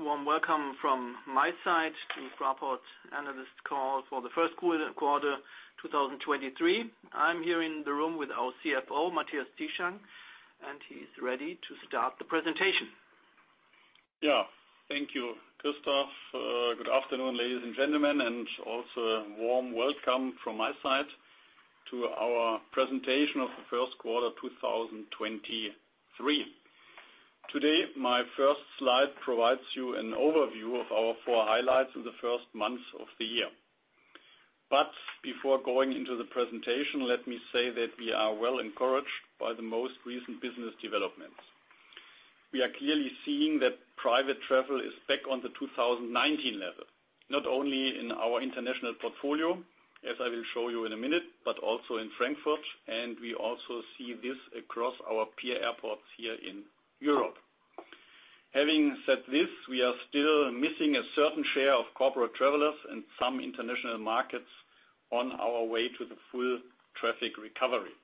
Warm welcome from my side to Fraport analyst call for the first quarter, 2023. I'm here in the room with our CFO, Matthias Zieschang, and he's ready to start the presentation. Yeah. Thank you, Christoph. Good afternoon, ladies and gentlemen, also warm welcome from my side to our presentation of the first quarter 2023. Today, my first slide provides you an overview of our four highlights in the first months of the year. Before going into the presentation, let me say that we are well encouraged by the most recent business developments. We are clearly seeing that private travel is back on the 2019 level, not only in our international portfolio, as I will show you in a minute, but also in Frankfurt. We also see this across our peer airports here in Europe. Having said this, we are still missing a certain share of corporate travelers in some international markets on our way to the full traffic recovery.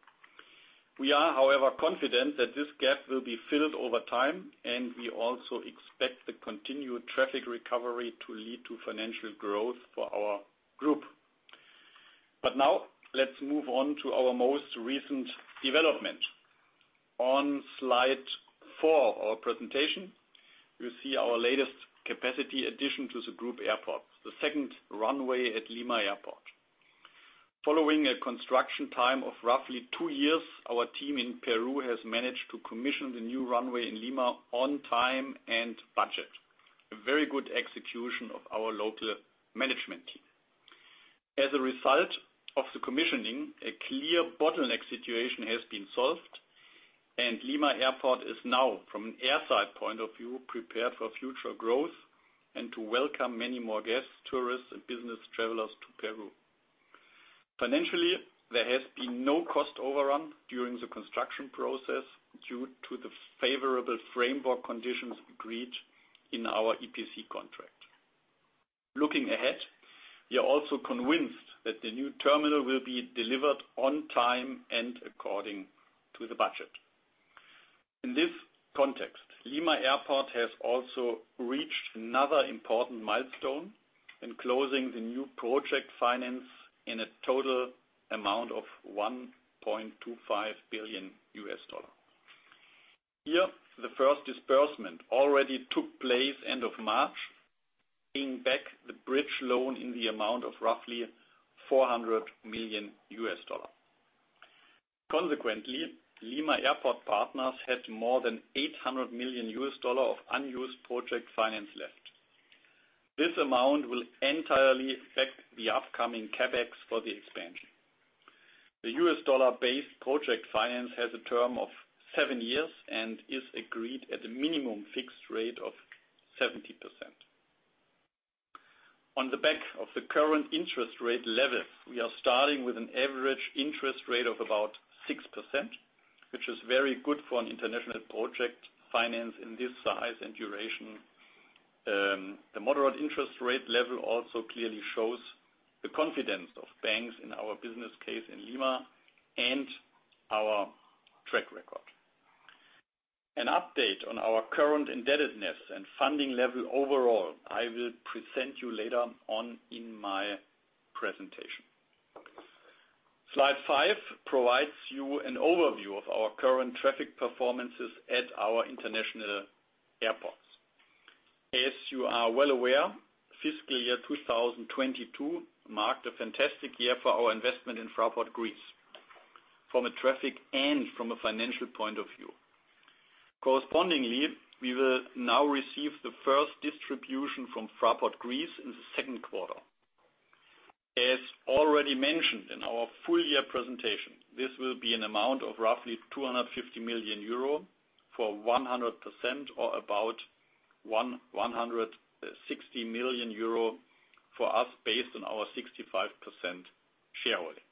We are, however, confident that this gap will be filled over time, and we also expect the continued traffic recovery to lead to financial growth for our group. Now let's move on to our most recent development. On slide four of our presentation, you see our latest capacity addition to the group airport, the second runway at Lima Airport. Following a construction time of roughly two years, our team in Peru has managed to commission the new runway in Lima on time and budget. A very good execution of our local management team. As a result of the commissioning, a clear bottleneck situation has been solved and Lima Airport is now, from an airside point of view, prepared for future growth and to welcome many more guests, tourists, and business travelers to Peru. Financially, there has been no cost overrun during the construction process due to the favorable framework conditions agreed in our EPC contract. Looking ahead, we are also convinced that the new terminal will be delivered on time and according to the budget. In this context, Lima Airport has also reached another important milestone in closing the new project finance in a total amount of $1.25 billion. Here, the first disbursement already took place end of March, paying back the bridge loan in the amount of roughly $400 million. Consequently, Lima Airport Partners had more than $800 million of unused project finance left. This amount will entirely back the upcoming CapEx for the expansion. The U.S. dollar-based project finance has a term of seven years and is agreed at a minimum fixed rate of 70%. On the back of the current interest rate level, we are starting with an average interest rate of about 6%, which is very good for an international project finance in this size and duration. The moderate interest rate level also clearly shows the confidence of banks in our business case in Lima and our track record. An update on our current indebtedness and funding level overall, I will present you later on in my presentation. Slide five provides you an overview of our current traffic performances at our international airports. As you are well aware, fiscal year 2022 marked a fantastic year for our investment in Fraport Greece from a traffic and from a financial point of view. Correspondingly, we will now receive the first distribution from Fraport Greece in the second quarter. As already mentioned in our full-year presentation, this will be an amount of roughly 250 million euro for 100% or about 160 million euro for us based on our 65% shareholding.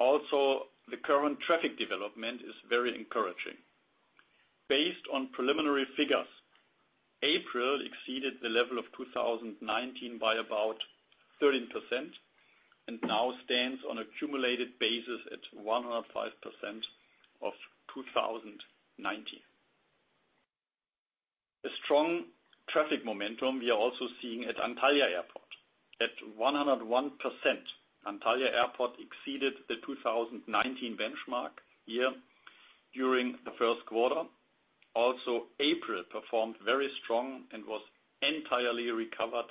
The current traffic development is very encouraging. Based on preliminary figures, April exceeded the level of 2019 by about 13% and now stands on a cumulative basis at 105% of 2019. A strong traffic momentum we are also seeing at Antalya Airport. At 101%, Antalya Airport exceeded the 2019 benchmark year during the first quarter. April performed very strong and was entirely recovered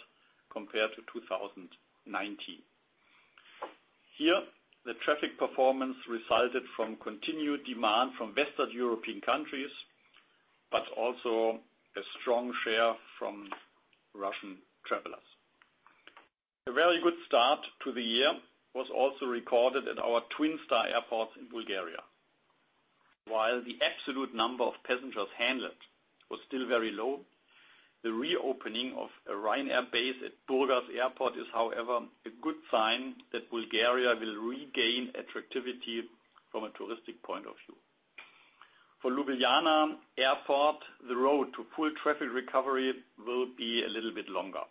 compared to 2019. Here, the traffic performance resulted from continued demand from Western European countries, but also a strong share from Russian travelers. A very good start to the year was also recorded at our Twin Star Airport in Bulgaria. While the absolute number of passengers handled was still very low, the reopening of a Ryanair base at Burgas Airport is, however, a good sign that Bulgaria will regain attractivity from a touristic point of view. For Ljubljana Airport, the road to full traffic recovery will be a little bit longer.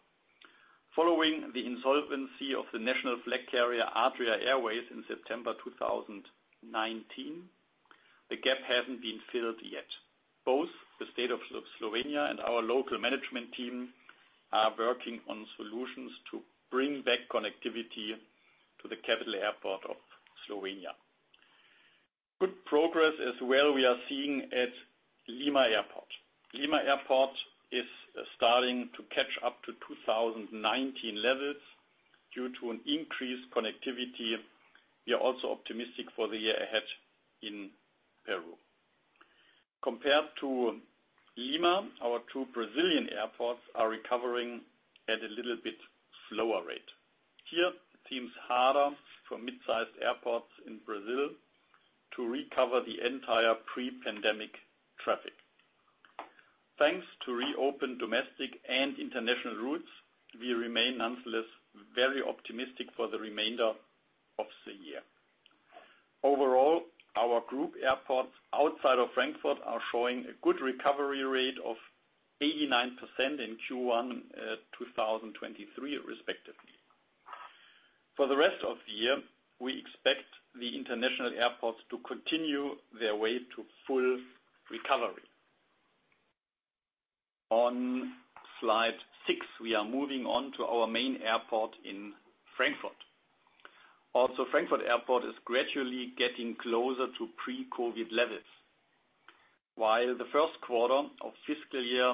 Following the insolvency of the national flag carrier Adria Airways in September 2019, the gap hasn't been filled yet. Both the state of Slovenia and our local management team are working on solutions to bring back connectivity to the capital airport of Slovenia. Good progress as well we are seeing at Lima Airport. Lima Airport is starting to catch up to 2019 levels due to an increased connectivity. We are also optimistic for the year ahead in Peru. Compared to Lima, our two Brazilian airports are recovering at a little bit slower rate. Here, it seems harder for mid-sized airports in Brazil to recover the entire pre-pandemic traffic. Thanks to reopened domestic and international routes, we remain nonetheless very optimistic for the remainder of the year. Overall, our group airports outside of Frankfurt are showing a good recovery rate of 89% in Q1, 2023, respectively. For the rest of the year, we expect the international airports to continue their way to full recovery. On slide six, we are moving on to our main airport in Frankfurt. Frankfurt Airport is gradually getting closer to pre-COVID levels. While the first quarter of fiscal year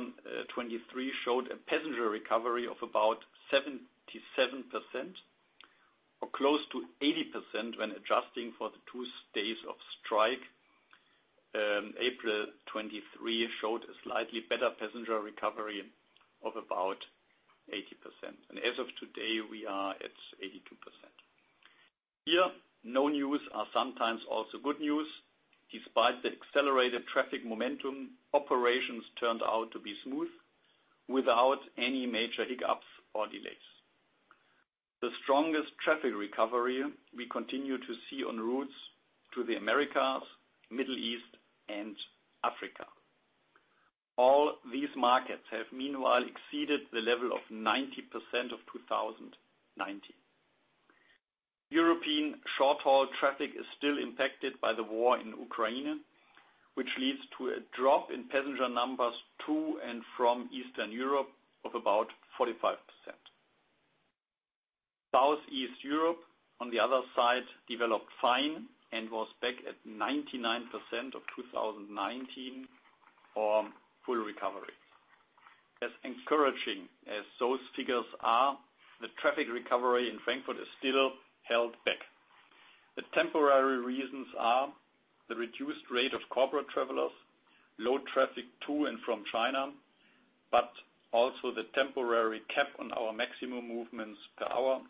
2023 showed a passenger recovery of about 77% or close to 80% when adjusting for the two days of strike, April 23 showed a slightly better passenger recovery of about 80%. As of today, we are at 82%. Here, no news are sometimes also good news. Despite the accelerated traffic momentum, operations turned out to be smooth without any major hiccups or delays. The strongest traffic recovery we continue to see on routes to the Americas, Middle East, and Africa. All these markets have meanwhile exceeded the level of 90% of 2019. European short-haul traffic is still impacted by the war in Ukraine, which leads to a drop in passenger numbers to and from Eastern Europe of about 45%. Southeast Europe, on the other side, developed fine and was back at 99% of 2019 for full recovery. As encouraging as those figures are, the traffic recovery in Frankfurt is still held back. The temporary reasons are the reduced rate of corporate travelers, low traffic to and from China, but also the temporary cap on our maximum movements per hour,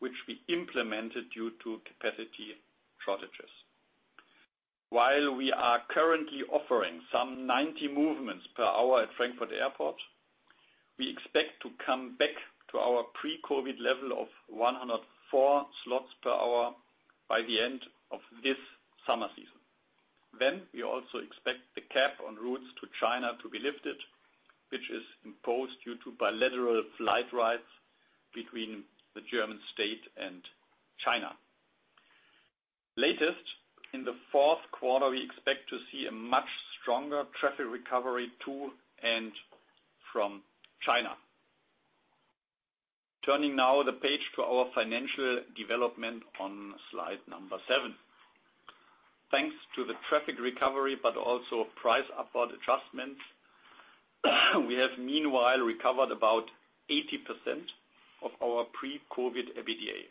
which we implemented due to capacity shortages. While we are currently offering some 90 movements per hour at Frankfurt Airport, we expect to come back to our pre-COVID level of 104 slots per hour by the end of this summer season. We also expect the cap on routes to China to be lifted, which is imposed due to bilateral flight rights between the German state and China. Latest, in the fourth quarter, we expect to see a much stronger traffic recovery to and from China. Turning now the page to our financial development on slide number seven. Thanks to the traffic recovery, but also price upward adjustments, we have meanwhile recovered about 80% of our pre-COVID EBITDA.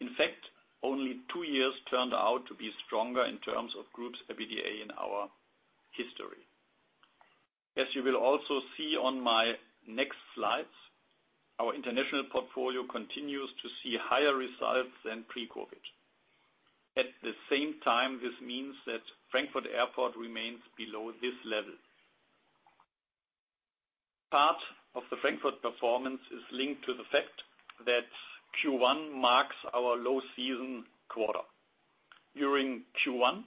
In fact, only two years turned out to be stronger in terms of group's EBITDA in our history. As you will also see on my next slides, our international portfolio continues to see higher results than pre-COVID. At the same time, this means that Frankfurt Airport remains below this level. Part of the Frankfurt performance is linked to the fact that Q1 marks our low season quarter. During Q1,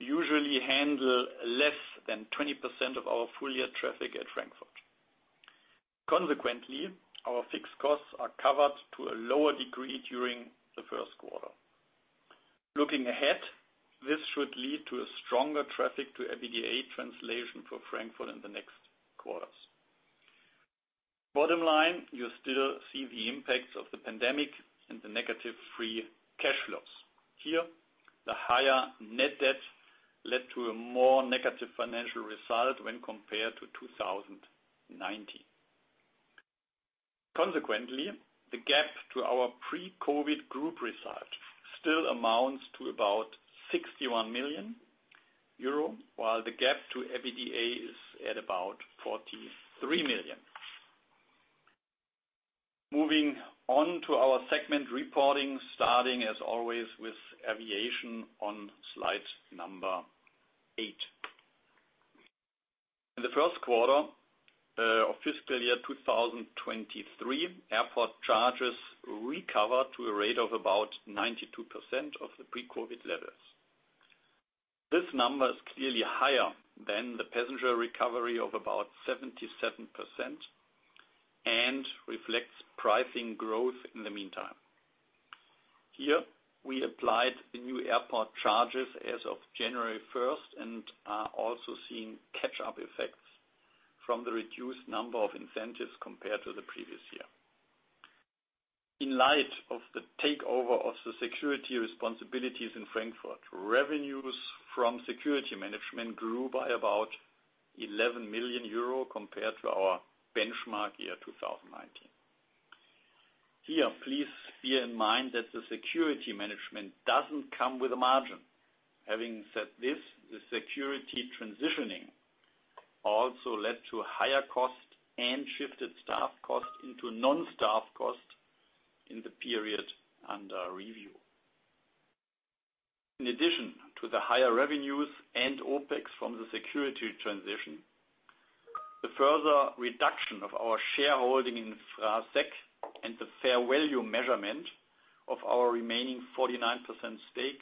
we usually handle less than 20% of our full year traffic at Frankfurt. Consequently, our fixed costs are covered to a lower degree during the first quarter. Looking ahead, this should lead to a stronger traffic to EBITDA translation for Frankfurt in the next quarters. Bottom line, you still see the impacts of the pandemic and the negative Free Cash Flows. Here, the higher Net Debt led to a more negative financial result when compared to 2019. Consequently, the gap to our pre-COVID group results still amounts to about 61 million euro, while the gap to EBITDA is at about 43 million. Moving on to our segment reporting, starting as always with aviation on slide number eight. In the first quarter of fiscal year 2023, airport charges recovered to a rate of about 92% of the pre-COVID levels. This number is clearly higher than the passenger recovery of about 77% and reflects pricing growth in the meantime. Here we applied the new airport charges as of January 1st and are also seeing catch-up effects from the reduced number of incentives compared to the previous year. In light of the takeover of the security responsibilities in Frankfurt, revenues from security management grew by about 11 million euro compared to our benchmark year 2019. Here, please bear in mind that the security management doesn't come with a margin. Having said this, the security transitioning also led to higher costs and shifted staff costs into non-staff costs in the period under review. In addition to the higher revenues and OpEx from the security transition, the further reduction of our shareholding in FraSec and the fair value measurement of our remaining 49% stake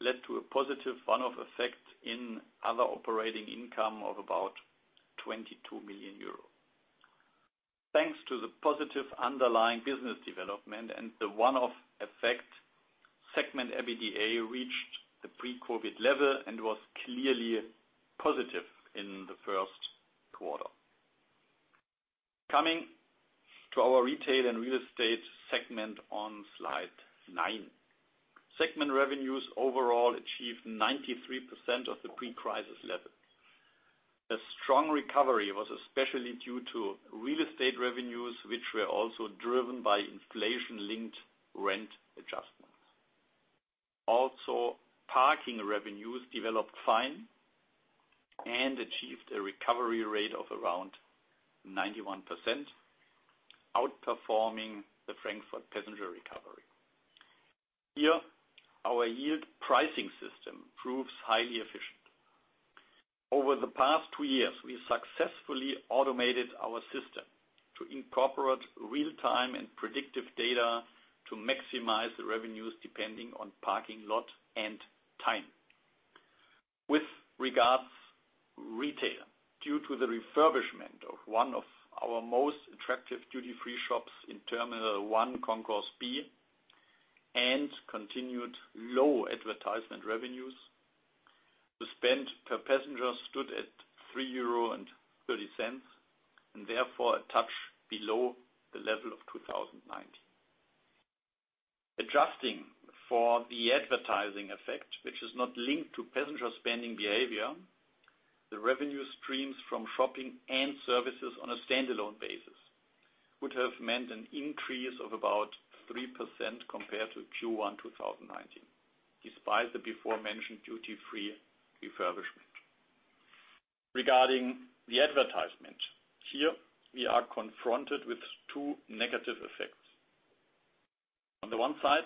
led to a positive one-off effect in other operating income of about 22 million euros. Thanks to the positive underlying business development and the one-off effect, segment EBITDA reached the pre-COVID level and was clearly positive in the first quarter. Coming to our retail and real estate segment on slide nine. Segment revenues overall achieved 93% of the pre-crisis level. A strong recovery was especially due to real estate revenues, which were also driven by inflation-linked rent adjustments. Parking revenues developed fine and achieved a recovery rate of around 91%, outperforming the Frankfurt passenger recovery. Here, our yield pricing system proves highly efficient. Over the past two years, we successfully automated our system to incorporate real-time and predictive data to maximize the revenues depending on parking lot and time. With regards retail, due to the refurbishment of one of our most attractive duty-free shops in Terminal 1, Concourse B, and continued low advertisement revenues, the spend per passenger stood at 3.30 euro. Therefore, a touch below the level of 2019. Adjusting for the advertising effect, which is not linked to passenger spending behavior, the revenue streams from shopping and services on a standalone basis would have meant an increase of about 3% compared to Q1 2019, despite the beforementioned duty-free refurbishment. Regarding the advertisement, here we are confronted with two negative effects. On the one side,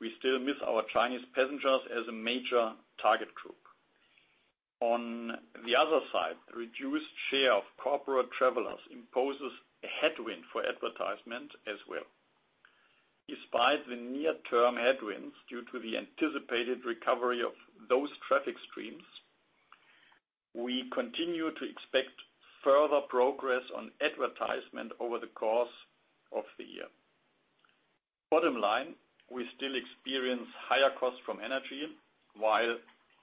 we still miss our Chinese passengers as a major target group. On the other side, the reduced share of corporate travelers imposes a headwind for advertisement as well. Despite the near-term headwinds due to the anticipated recovery of those traffic streams, we continue to expect further progress on advertisement over the course of the year. Bottom line, we still experience higher costs from energy. While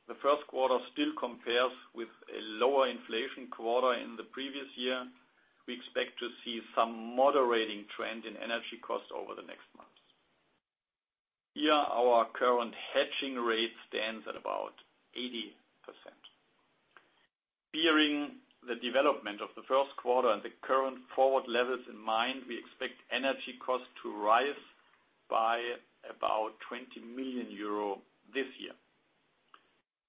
the first quarter still compares with a lower inflation quarter in the previous year, we expect to see some moderating trend in energy costs over the next months. Here, our current hedging rate stands at about 80%. Bearing the development of the first quarter and the current forward levels in mind, we expect energy costs to rise by about 20 million euro this year.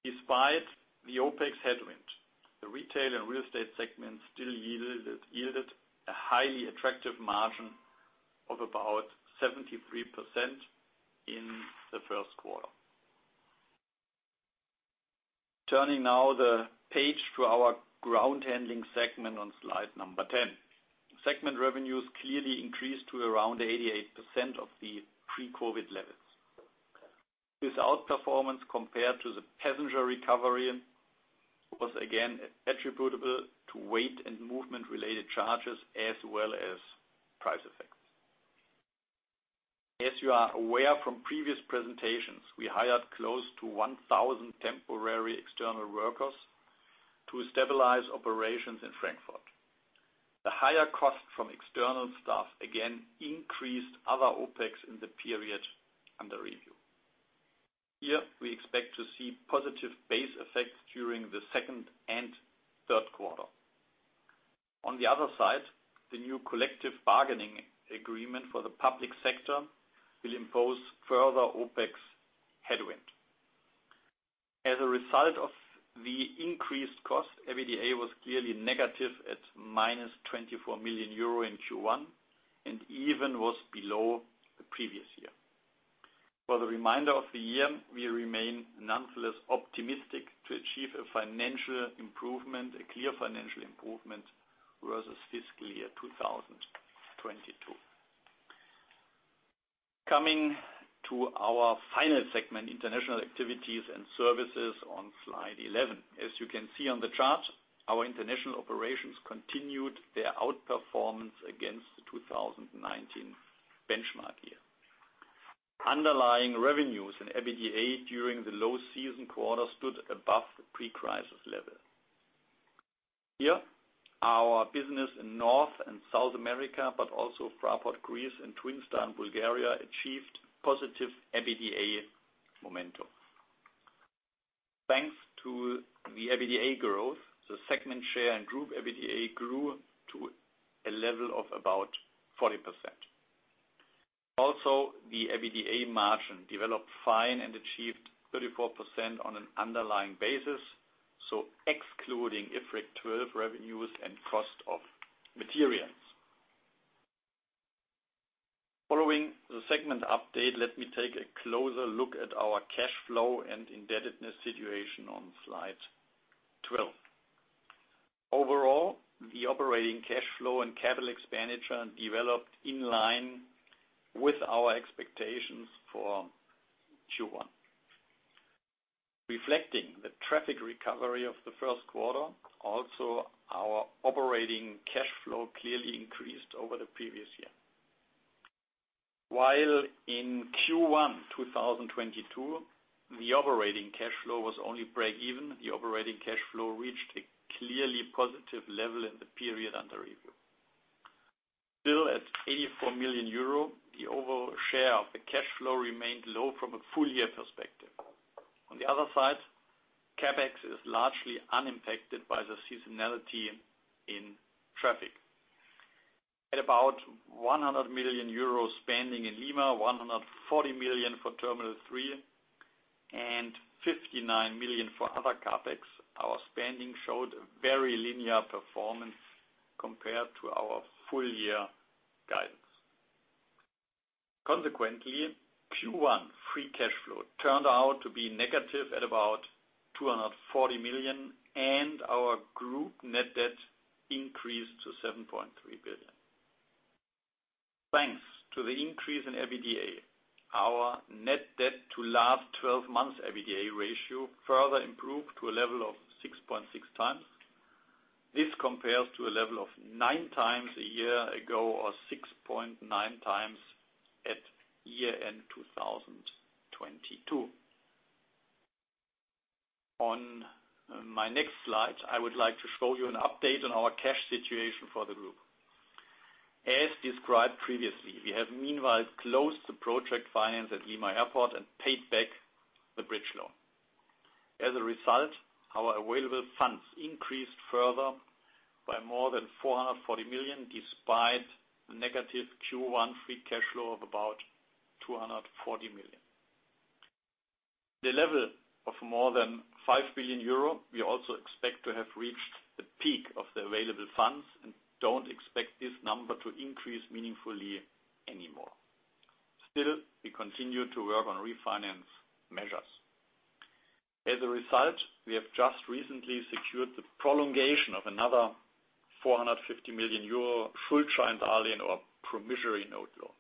Despite the OpEx headwind, the retail and real estate segment still yielded a highly attractive margin of about 73% in the first quarter. Turning now the page to our ground handling segment on slide number 10. Segment revenues clearly increased to around 88% of the pre-COVID levels. This outperformance compared to the passenger recovery was again attributable to weight and movement-related charges as well as price effects. As you are aware from previous presentations, we hired close to 1,000 temporary external workers to stabilize operations in Frankfurt. The higher cost from external staff again increased other OpEx in the period under review. Here we expect to see positive base effects during the second and third quarter. On the other side, the new collective bargaining agreement for the public sector will impose further OpEx headwind. As a result of the increased cost, EBITDA was clearly negative at minus 24 million euro in Q1 and even was below the previous year. For the remainder of the year, we remain nonetheless optimistic to achieve a financial improvement, a clear financial improvement versus fiscal year 2022. Coming to our final segment, international activities and services on slide 11. As you can see on the chart, our international operations continued their outperformance against the 2019 benchmark year. Underlying revenues and EBITDA during the low season quarter stood above the pre-crisis level. Here, our business in North and South America, but also Fraport Greece and Twin Star in Bulgaria, achieved positive EBITDA momentum. Thanks to the EBITDA growth, the segment share and group EBITDA grew to a level of about 40%. The EBITDA margin developed fine and achieved 34% on an underlying basis, so excluding IFRIC 12 revenues and cost of materials. Following the segment update, let me take a closer look at our cash flow and indebtedness situation on slide 12. Overall, the operating cash flow and capital expenditure developed in line with our expectations for Q1. Reflecting the traffic recovery of the first quarter, also our operating cash flow clearly increased over the previous year. While in Q1 2022, the operating cash flow was only break even, the operating cash flow reached a clearly positive level in the period under review. At 84 million euro, the overall share of the cash flow remained low from a full year perspective. On the other side, CapEx is largely unimpacted by the seasonality in traffic. At about 100 million euros spending in Lima, 140 million for Terminal 3 and 59 million for other CapEx, our spending showed a very linear performance compared to our full year guidance. Consequently, Q1 Free Cash Flow turned out to be negative at about 240 million, and our group Net Debt increased to 7.3 billion. Thanks to the increase in EBITDA, our Net Debt to last twelve months EBITDA ratio further improved to a level of 6.6x. This compares to a level of 9x a year ago, or 6.9x at year end 2022. On my next slide, I would like to show you an update on our cash situation for the group. As described previously, we have meanwhile closed the project finance at Lima Airport and paid back the bridge loan. As a result, our available funds increased further by more than 440 million, despite the negative Q1 Free Cash Flow of about 240 million. The level of more than 5 billion euro, we also expect to have reached the peak of the available funds and don't expect this number to increase meaningfully anymore. We continue to work on refinance measures. As a result, we have just recently secured the prolongation of another 450 million euro Schuldscheindarlehen or promissory note loan.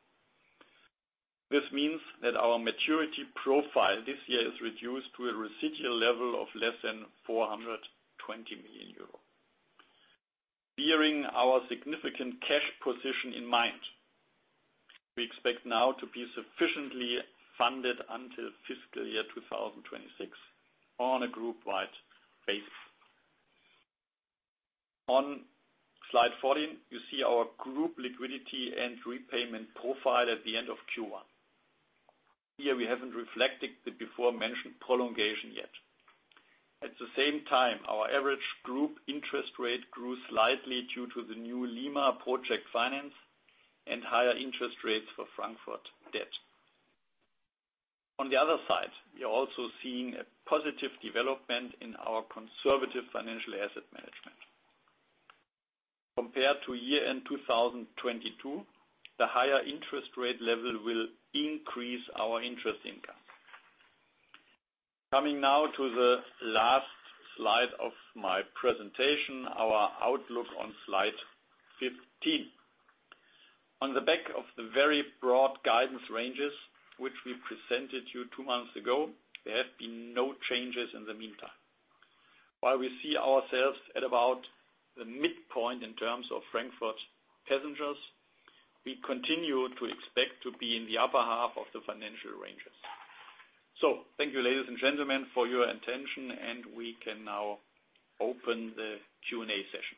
This means that our maturity profile this year is reduced to a residual level of less than 420 million euros. Bearing our significant cash position in mind, we expect now to be sufficiently funded until fiscal year 2026 on a groupwide basis. On slide 14, you see our group liquidity and repayment profile at the end of Q1. Here we haven't reflected the before mentioned prolongation yet. At the same time, our average group interest rate grew slightly due to the new Lima project finance and higher interest rates for Frankfurt debt. On the other side, we are also seeing a positive development in our conservative financial asset management. Compared to year end 2022, the higher interest rate level will increase our interest income. Coming now to the last slide of my presentation, our outlook on slide 15. On the back of the very broad guidance ranges which we presented you two months ago, there have been no changes in the meantime. While we see ourselves at about the midpoint in terms of Frankfurt passengers, we continue to expect to be in the upper half of the financial ranges. Thank you, ladies and gentlemen, for your attention, and we can now open the Q&A session.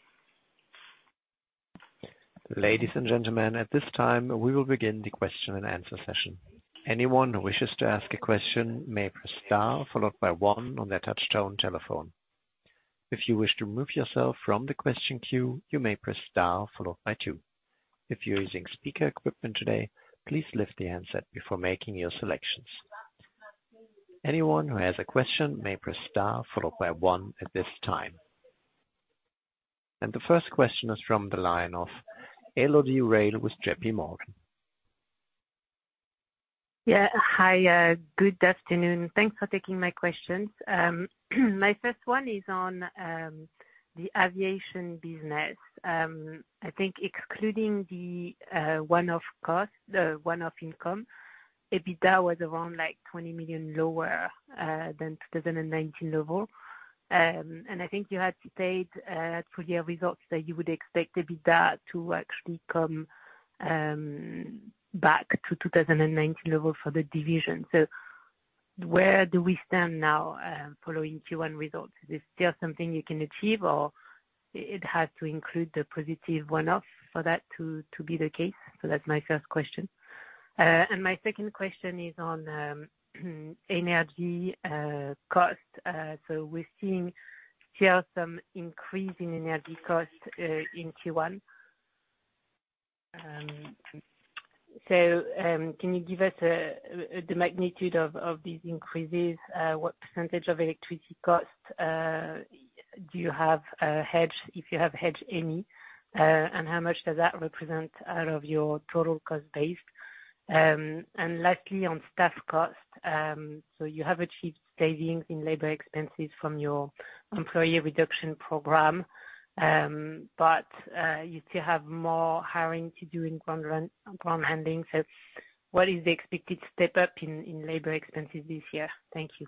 Ladies and gentlemen, at this time we will begin the question and answer session. Anyone who wishes to ask a question may press star followed by one on their touchtone telephone. If you wish to remove yourself from the question queue, you may press star followed by two. If you're using speaker equipment today, please lift the handset before making your selections. Anyone who has a question may press star followed by one at this time. The first question is from the line of Elodie Rall with JPMorgan Chase & Co. Yeah. Hi, good afternoon. Thanks for taking my questions. My first one is on the aviation business. I think excluding the one-off income, EBITDA was around like 20 million lower than 2019 level. And I think you had stated full year results that you would expect EBITDA to actually come back to 2019 level for the division. Where do we stand now following Q1 results? Is this still something you can achieve, or it has to include the positive one-off for that to be the case? That's my first question. And my second question is on energy costs. We're seeing here some increase in energy costs in Q1. Can you give us the magnitude of these increases? What percentage of electricity costs do you have hedged, if you have hedged any? How much does that represent out of your total cost base? Lastly, on staff costs, you have achieved savings in labor expenses from your employee reduction program, but you still have more hiring to do in ground handling, so what is the expected step up in labor expenses this year? Thank you.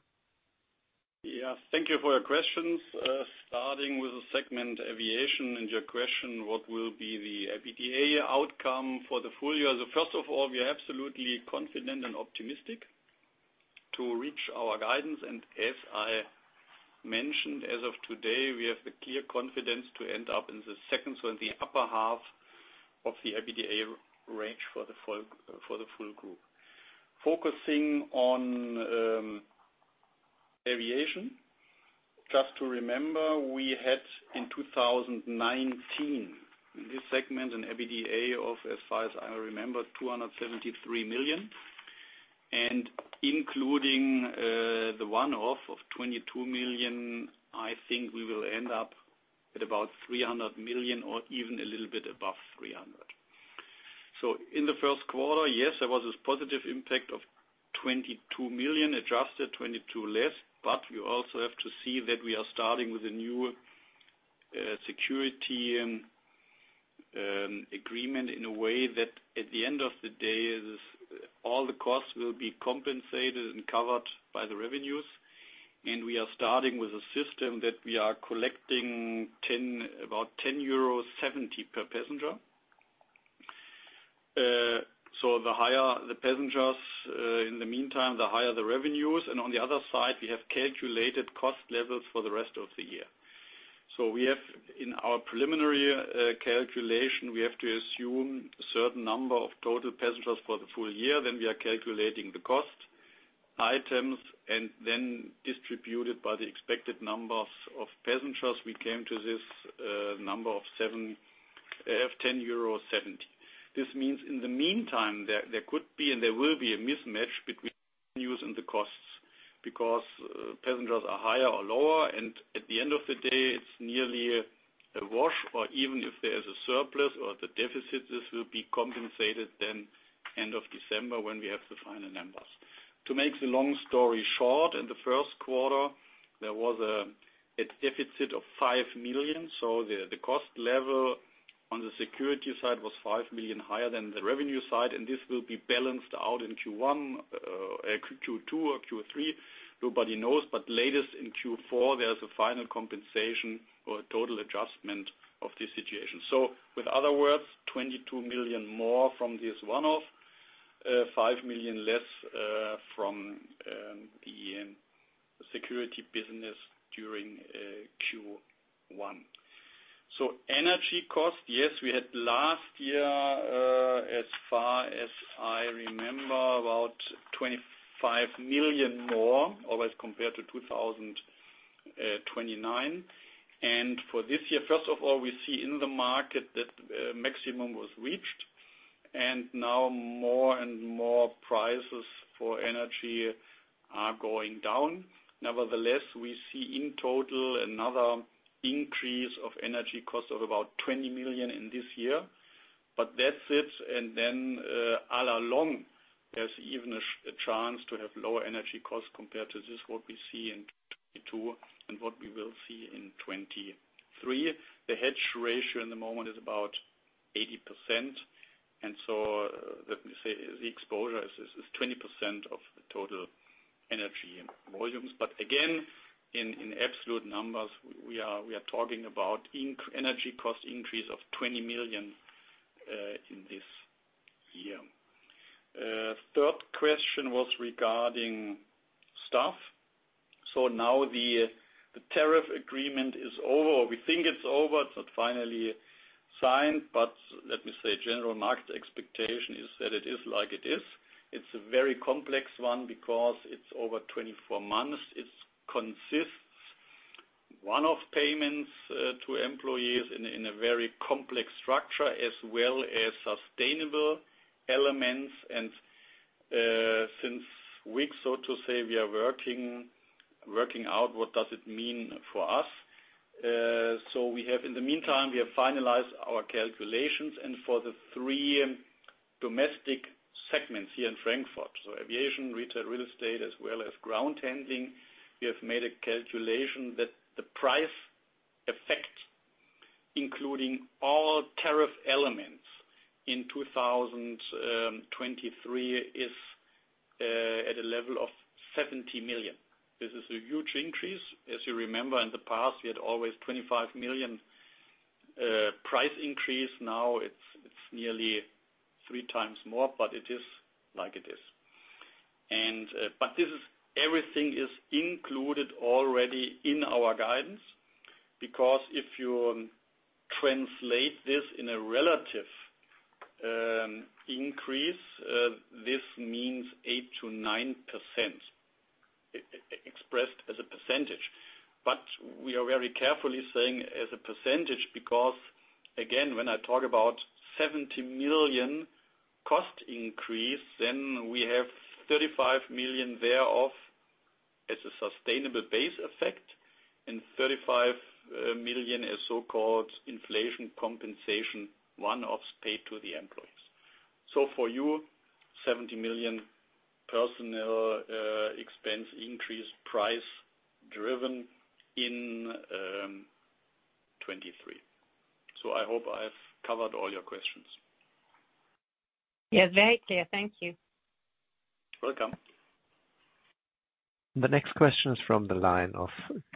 Yeah, thank you for your questions. Starting with the segment aviation and your question, what will be the EBITDA outcome for the full year? First of all, we are absolutely confident and optimistic to reach our guidance. As I mentioned, as of today, we have the clear confidence to end up in the second or in the upper half of the EBITDA range for the full group. Focusing on aviation, just to remember, we had, in 2019, this segment, an EBITDA of, as far as I remember, 273 million. Including the one-off of 22 million, I think we will end up at about 300 million or even a little bit above 300 million. In the first quarter, yes, there was this positive impact of 22 million, adjusted 22 less, but you also have to see that we are starting with a new security agreement in a way that at the end of the day is, all the costs will be compensated and covered by the revenues. We are starting with a system that we are collecting 10, about 10.70 euros per passenger. The higher the passengers, in the meantime, the higher the revenues. On the other side, we have calculated cost levels for the rest of the year. We have, in our preliminary calculation, we have to assume a certain number of total passengers for the full year, then we are calculating the cost items, and then distributed by the expected numbers of passengers, we came to this number of 10.70 euros. This means in the meantime, there could be and there will be a mismatch between revenues and the costs because passengers are higher or lower. At the end of the day, it's nearly a wash, or even if there's a surplus or the deficit, this will be compensated then end of December when we have the final numbers. To make the long story short, in the first quarter, there was a deficit of 5 million, so the cost level on the security side was 5 million higher than the revenue side, and this will be balanced out in Q1, Q2 or Q3. Nobody knows, but latest in Q4, there's a final compensation or total adjustment of this situation. With other words, 22 million more from this one-off, 5 million less from the security business during Q1. Energy cost, yes, we had last year, as far as I remember, about 25 million more, always compared to 2029. For this year, first of all, we see in the market that maximum was reached and now more and more prices for energy are going down. Nevertheless, we see in total another increase of energy cost of about 20 million in this year. That's it, and then, à la longue, there's even a chance to have lower energy costs compared to just what we see in 2022 and what we will see in 2023. The hedge ratio in the moment is about 80%. Let me say the exposure is 20% of the total energy volumes. Again, in absolute numbers, we are talking about energy cost increase of 20 million in this year. Third question was regarding staff. Now the tariff agreement is over. We think it's over. It's not finally signed, but let me say general market expectation is that it is like it is. It's a very complex one because it's over 24 months. It consists one-off payments to employees in a, in a very complex structure as well as sustainable elements. Since weeks, so to say, we are working out what does it mean for us. We have in the meantime, we have finalized our calculations and for the three domestic segments here in Frankfurt, so aviation, retail, real estate, as well as ground handling, we have made a calculation that the price effect, including all tariff elements in 2023 is at a level of 70 million. This is a huge increase. As you remember in the past, we had always 25 million price increase. Now it's nearly three times more, but it is like it is. This is everything is included already in our guidance because if you translate this in a relative increase, this means 8%-9% expressed as a percentage. We are very carefully saying as a percentage, because again, when I talk about 70 million cost increase, we have 35 million thereof as a sustainable base effect and 35 million as so-called inflation compensation, one-offs paid to the employees. For you, 70 million personnel expense increase price driven in 2023. I hope I've covered all your questions. Yes, very clear. Thank you. Welcome. The next question is from the line of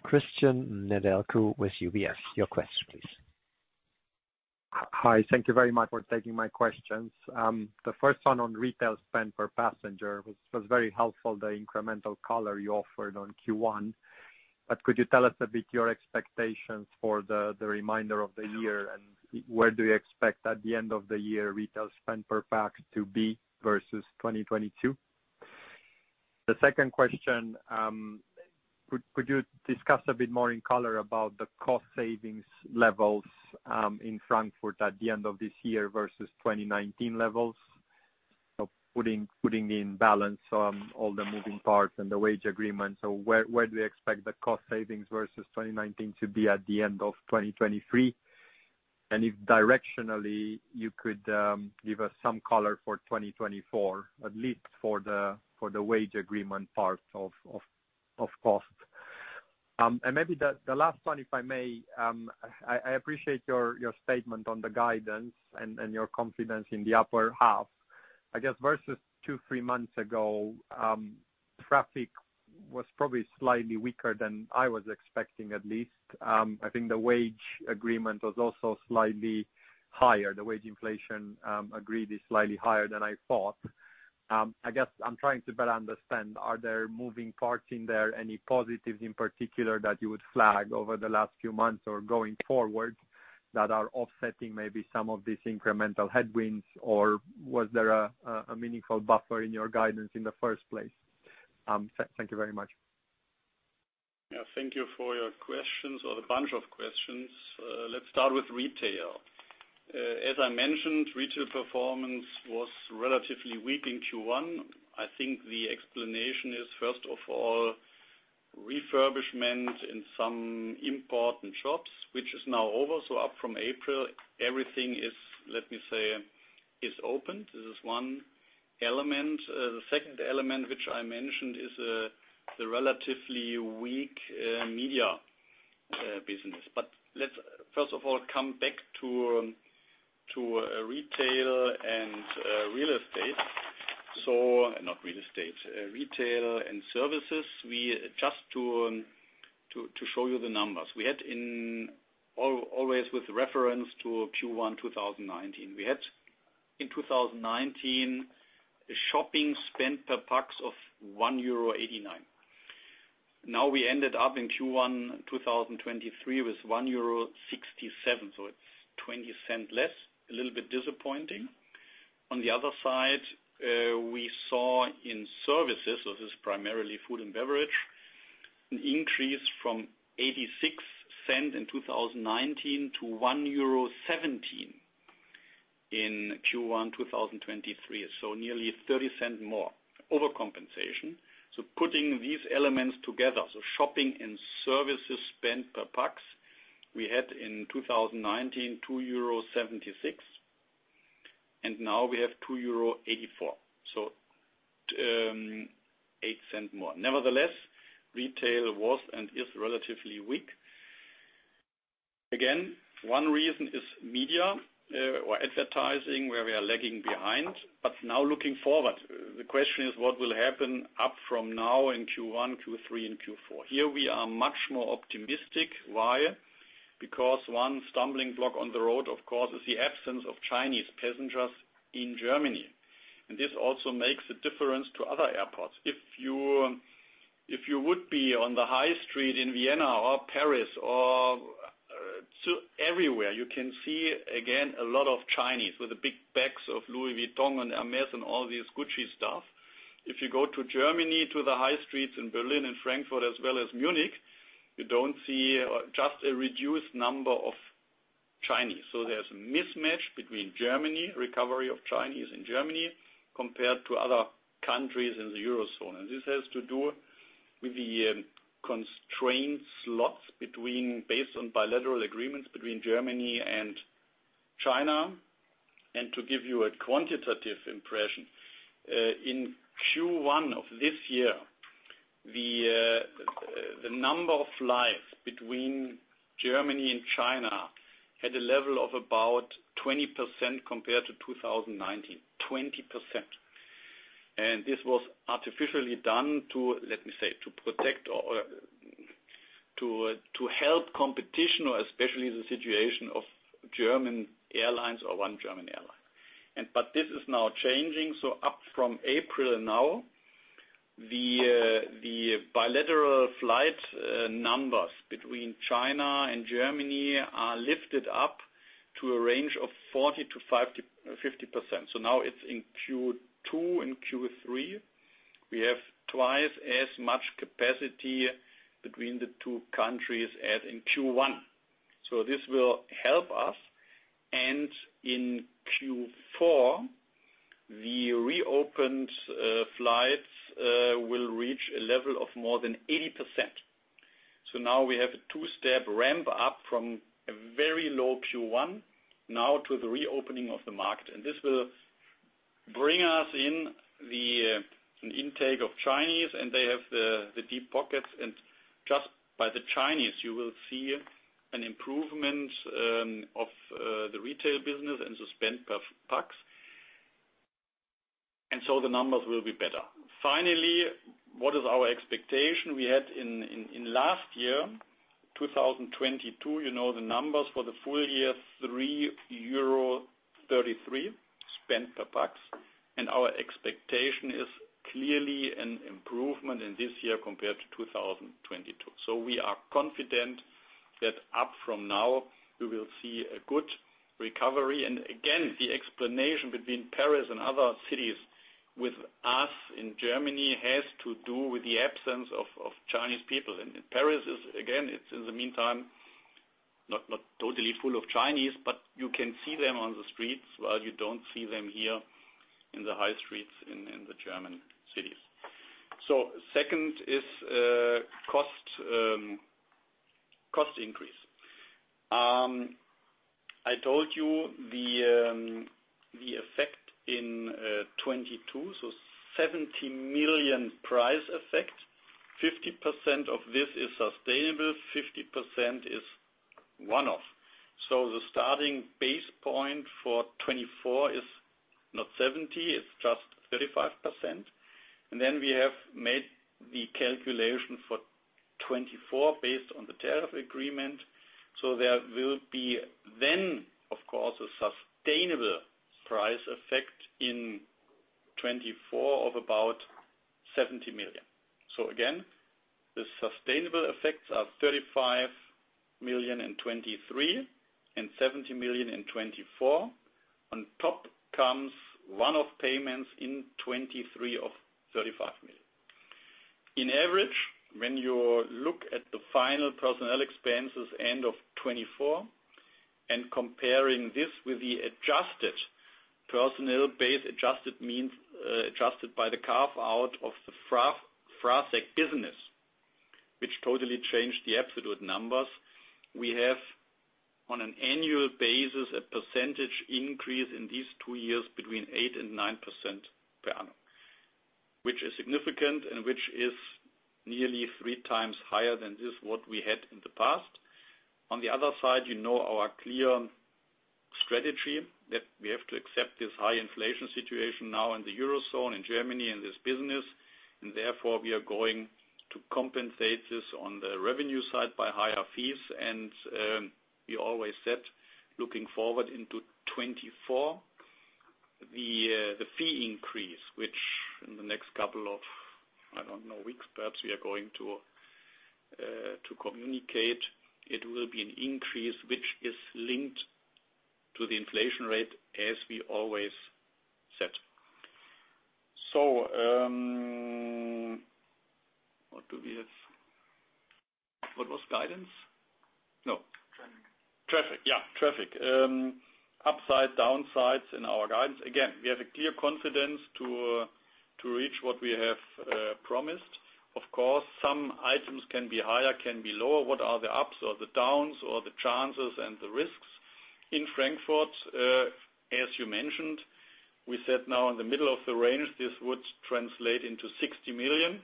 Cristian Nedelcu with UBS. Your question, please. Hi. Thank you very much for taking my questions. The first one on retail spend per passenger was very helpful, the incremental color you offered on Q1. Could you tell us a bit your expectations for the reminder of the year and where do you expect at the end of the year retail spend per passenger to be versus 2022? The second question, could you discuss a bit more in color about the cost savings levels in Frankfurt at the end of this year versus 2019 levels? Putting in balance all the moving parts and the wage agreement. Where do you expect the cost savings versus 2019 to be at the end of 2023? If directionally you could give us some color for 2024, at least for the wage agreement part of cost. Maybe the last one, if I may, I appreciate your statement on the guidance and your confidence in the upper half. I guess versus two-three months ago, traffic was probably slightly weaker than I was expecting, at least. I think the wage agreement was also slightly higher. The wage inflation agreed is slightly higher than I thought. I guess I'm trying to better understand, are there moving parts in there? Any positives in particular that you would flag over the last few months or going forward that are offsetting maybe some of these incremental headwinds? Was there a meaningful buffer in your guidance in the first place? Thank you very much. Yeah, thank you for your questions or the bunch of questions. Let's start with retail. As I mentioned, retail performance was relatively weak in Q1. I think the explanation is, first of all, refurbishment in some important shops, which is now over. Up from April, everything is, let me say, is open. This is one element. The second element, which I mentioned, is the relatively weak media business. Let's first of all come back to retail and real estate. Not real estate, retail and services. We just to show you the numbers. We had always with reference to Q1 2019. We had in 2019, a shopping spend per passenger of 1.89 euro. Now we ended up in Q1 2023 with 1.67 euro. It's 0.20 less, a little bit disappointing. On the other side, we saw in services, so this is primarily food and beverage, an increase from 0.86 in 2019 to 1.17 euro in Q1 2023. Nearly 0.30 more overcompensation. Putting these elements together, so shopping and services spent per pax, we had in 2019, 2.76, and now we have 2.84 euro. 0.08 more. Nevertheless, retail was and is relatively weak. Again, one reason is media or advertising, where we are lagging behind. Now looking forward, the question is what will happen up from now in Q1, Q3, and Q4? Here we are much more optimistic. Why? Because one stumbling block on the road, of course, is the absence of Chinese passengers in Germany. This also makes a difference to other airports. If you would be on the high street in Vienna or Paris or everywhere, you can see again a lot of Chinese with the big bags of Louis Vuitton and Hermes and all this Gucci stuff. If you go to Germany, to the high streets in Berlin and Frankfurt as well as Munich, you don't see just a reduced number of Chinese. There's a mismatch between Germany, recovery of Chinese in Germany compared to other countries in the Eurozone. This has to do with the constrained slots between based on bilateral agreements between Germany and China. To give you a quantitative impression, in Q1 of this year, the number of flights between Germany and China had a level of about 20% compared to 2019, 20%. This was artificially done to, let me say, to protect or to help competition, or especially the situation of German airlines or one German airline. This is now changing. Up from April now, the bilateral flight numbers between China and Germany are lifted up to a range of 45%-50%. Now it's in Q2 and Q3, we have twice as much capacity between the two countries as in Q1. This will help us. In Q4, the reopened flights will reach a level of more than 80%. Now we have a two-step ramp up from a very low Q1 now to the reopening of the market. This will bring us in the an intake of Chinese, and they have the deep pockets. Just by the Chinese, you will see an improvement of the retail business and the spend per passenger. The numbers will be better. Finally, what is our expectation? We had in last year, 2022, you know the numbers for the full year, 3.33 spend per passenger. Our expectation is clearly an improvement in this year compared to 2022. We are confident that up from now, we will see a good recovery. Again, the explanation between Paris and other cities with us in Germany has to do with the absence of Chinese people. Paris is, again, it's in the meantime, not totally full of Chinese, but you can see them on the streets while you don't see them here in the high streets in the German cities. Second is cost increase. I told you the effect in 2022, 70 million price effect, 50% of this is sustainable, 50% is one-off. The starting base point for 2024 is not 70, it's just 35%. We have made the calculation for 2024 based on the tariff agreement. There will be, of course, a sustainable price effect in 2024 of about 70 million. Again, the sustainable effects are 35 million in 2023 and 70 million in 2024. On top comes one-off payments in 2023 of 35 million. On average, when you look at the final personnel expenses end of 2024 and comparing this with the adjusted personnel base, adjusted means adjusted by the carve-out of the FraSec business, which totally changed the absolute numbers. We have on an annual basis, a percentage increase in these two years between 8% and 9% per annum, which is significant and which is nearly three times higher than this what we had in the past. On the other side, you know our clear strategy that we have to accept this high inflation situation now in the Eurozone, in Germany, in this business, therefore we are going to compensate this on the revenue side by higher fees. We always said, looking forward into 2024, the fee increase, which in the next couple of, I don't know, weeks, perhaps, we are going to communicate, it will be an increase which is linked to the inflation rate as we always said. What do we have? What was guidance? No. Traffic. Traffic. Yeah, traffic. Upside, downsides in our guidance. Again, we have a clear confidence to reach what we have promised. Of course, some items can be higher, can be lower. What are the ups or the downs or the chances and the risks? In Frankfurt, as you mentioned, we said now in the middle of the range, this would translate into 60 million.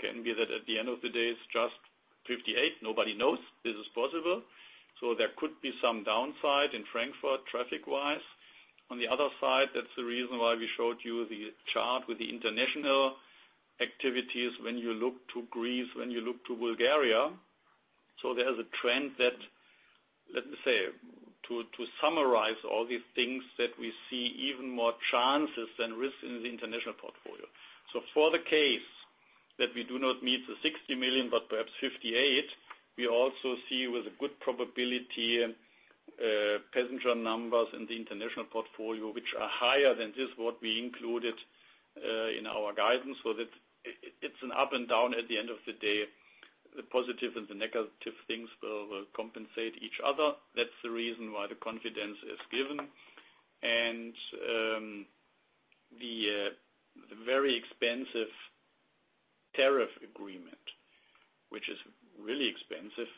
Can be that at the end of the day, it's just 58. Nobody knows this is possible. There could be some downside in Frankfurt traffic-wise. On the other side, that's the reason why we showed you the chart with the international activities when you look to Greece, when you look to Bulgaria. There's a trend that, let me say, to summarize all these things that we see even more chances than risks in the international portfolio. For the case that we do not meet the 60 million, but perhaps 58 million, we also see with a good probability passenger numbers in the international portfolio, which are higher than this what we included in our guidance. That it's an up and down at the end of the day. The positive and the negative things will compensate each other. That's the reason why the confidence is given. The very expensive tariff agreement, which is really expensive,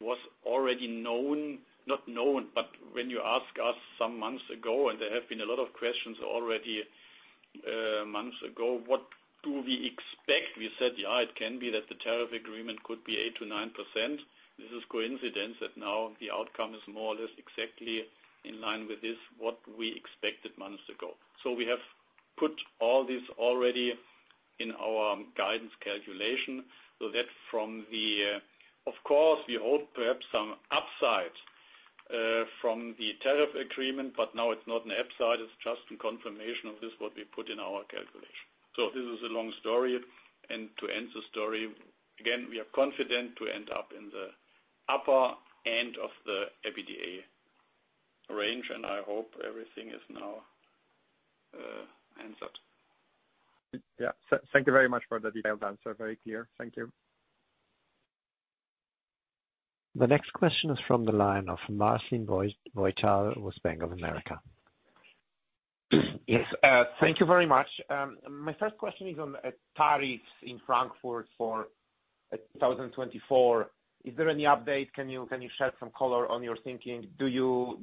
was already known, not known, but when you ask us some months ago, and there have been a lot of questions already months ago, what do we expect? We said, yeah, it can be that the tariff agreement could be 8%-9%. This is coincidence that now the outcome is more or less exactly in line with this, what we expected months ago. We have put all this already in our guidance calculation so that from the, Of course, we hope perhaps some upside from the tariff agreement, but now it's not an upside, it's just a confirmation of this what we put in our calculation. This is a long story. To end the story, again, we are confident to end up in the upper end of the EBITDA range, and I hope everything is now answered. Yeah. Thank you very much for the detailed answer. Very clear. Thank you. The next question is from the line of Marcin Wojtal with Bank of America. Yes, thank you very much. My first question is on tariffs in Frankfurt for 2024. Is there any update? Can you shed some color on your thinking? Do you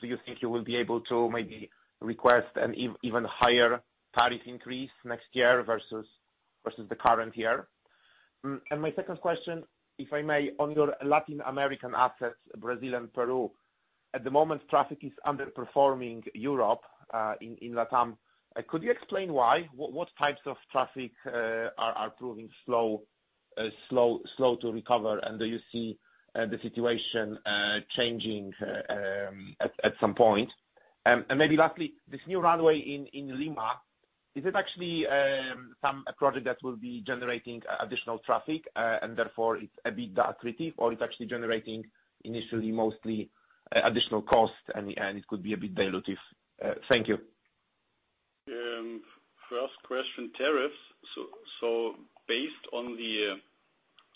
think you will be able to maybe request an even higher tariff increase next year versus the current year? My second question, if I may, on your Latin American assets, Brazil and Peru, at the moment, traffic is underperforming Europe in Latam. Could you explain why? What types of traffic are proving slow to recover? Do you see the situation changing at some point? Maybe lastly, this new runway in Lima, is it actually, some, a project that will be generating additional traffic, and therefore it's EBITDA accretive, or it's actually generating initially mostly, additional costs and it could be a bit dilutive? Thank you. First question, tariffs. Based on the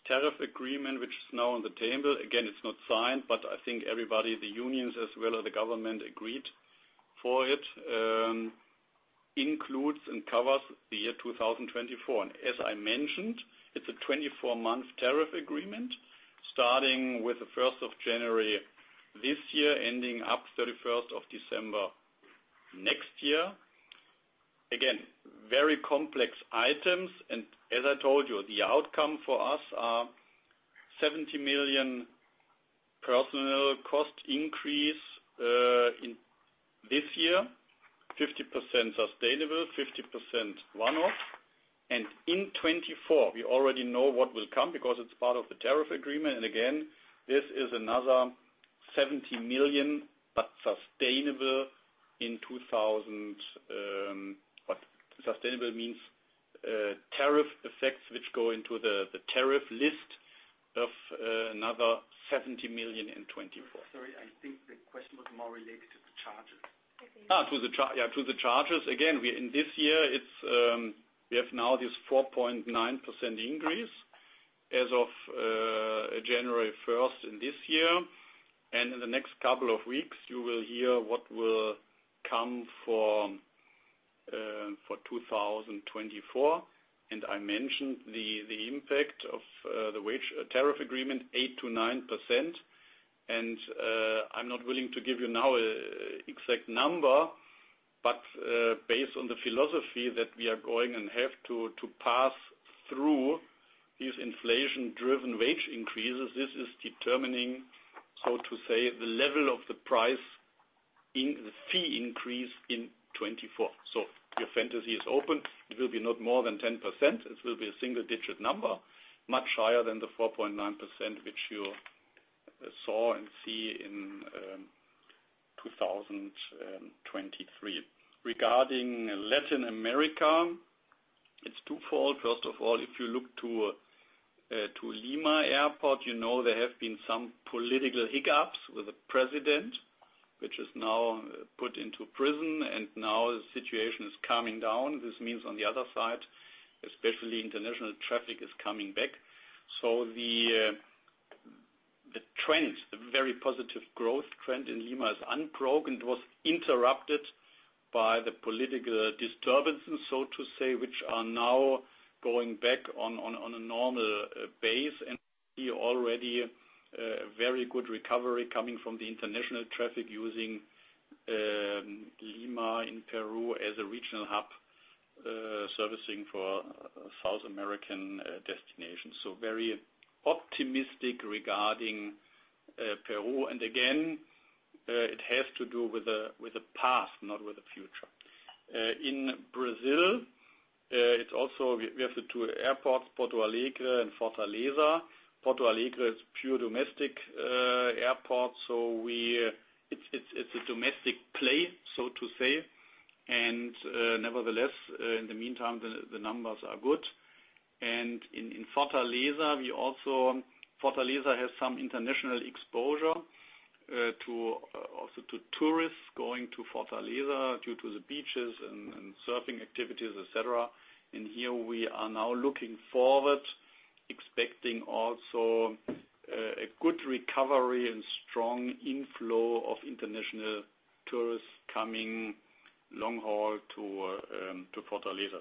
tariff agreement, which is now on the table, again, it's not signed, but I think everybody, the unions as well as the government agreed for it, includes and covers the year 2024. As I mentioned, it's a 24-month tariff agreement, starting with the 1st of January this year, ending up December 31st next year. Again, very complex items. As I told you, the outcome for us are 70 million personal cost increase in this year, 50% sustainable, 50% one-off. In 2024, we already know what will come because it's part of the tariff agreement. Again, this is another 70 million but sustainable. What sustainable means, tariff effects which go into the tariff list of another 70 million in 2024. Sorry, I think the question was more related to the charges. Yeah, to the charges. Again, we are in this year, it's, we have now this 4.9% increase as of January 1st in this year. In the next couple of weeks, you will hear what will come for 2024. I mentioned the impact of the wage tariff agreement, 8%-9%. I'm not willing to give you now an exact number, but based on the philosophy that we are going and have to pass through these inflation-driven wage increases, this is determining how to say the level of the price in the fee increase in 2024. Your fantasy is open. It will be not more than 10%. It will be a single-digit number, much higher than the 4.9%, which you saw and see in 2023. Regarding Latin America, it's twofold. First of all, if you look to Lima Airport, you know there have been some political hiccups with the president, which is now put into prison, and now the situation is calming down. This means on the other side, especially international traffic is coming back. The trend, the very positive growth trend in Lima is unbroken. It was interrupted by the political disturbances, so to say, which are now going back on a normal base. We see already a very good recovery coming from the international traffic using Lima in Peru as a regional hub, servicing for South American destinations. Very optimistic regarding Peru. Again, it has to do with the past, not with the future. In Brazil, it's also we have the two airports, Porto Alegre and Fortaleza. Porto Alegre is pure domestic airport. We, it's a domestic play, so to say. Nevertheless, in the meantime, the numbers are good. In Fortaleza has some international exposure, to also to tourists going to Fortaleza due to the beaches and surfing activities, et cetera. Here we are now looking forward, expecting also a good recovery and strong inflow of international tourists coming long haul to Fortaleza.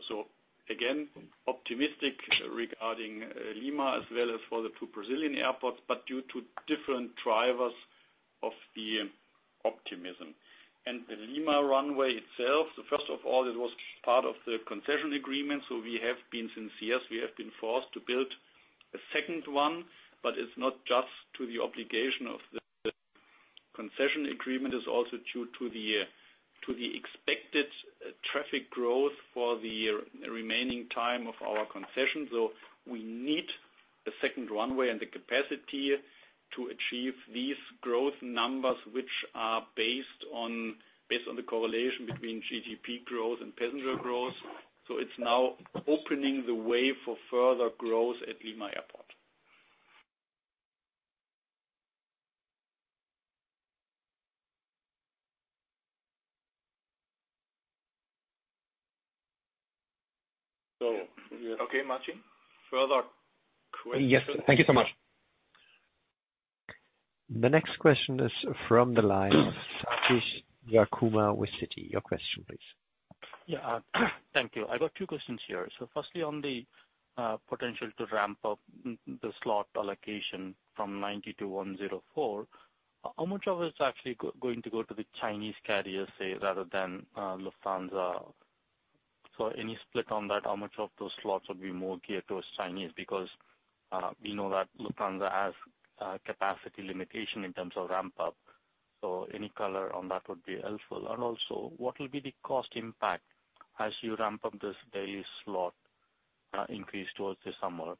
Again, optimistic regarding Lima as well as for the two Brazilian airports, but due to different drivers of the optimism. The Lima runway itself, first of all, it was part of the concession agreement, so we have been sincere. We have been forced to build a second one, but it's not just to the obligation of the concession agreement, it's also due to the expected traffic growth for the remaining time of our concession. We need the second runway and the capacity to achieve these growth numbers, which are based on the correlation between GDP growth and passenger growth. It's now opening the way for further growth at Lima Airport. Okay, Marcin, further questions? Yes. Thank you so much. The next question is from the line, Sathish Sivakumar with Citi. Your question please. Yeah. Thank you. I've got two questions here. Firstly, on the potential to ramp up the slot allocation from 90-104, how much of it is actually going to go to the Chinese carrier, say, rather than Lufthansa? Any split on that, how much of those slots would be more geared towards Chinese? We know that Lufthansa has capacity limitation in terms of ramp up. Any color on that would be helpful. What will be the cost impact as you ramp up this daily slot increase towards the summer?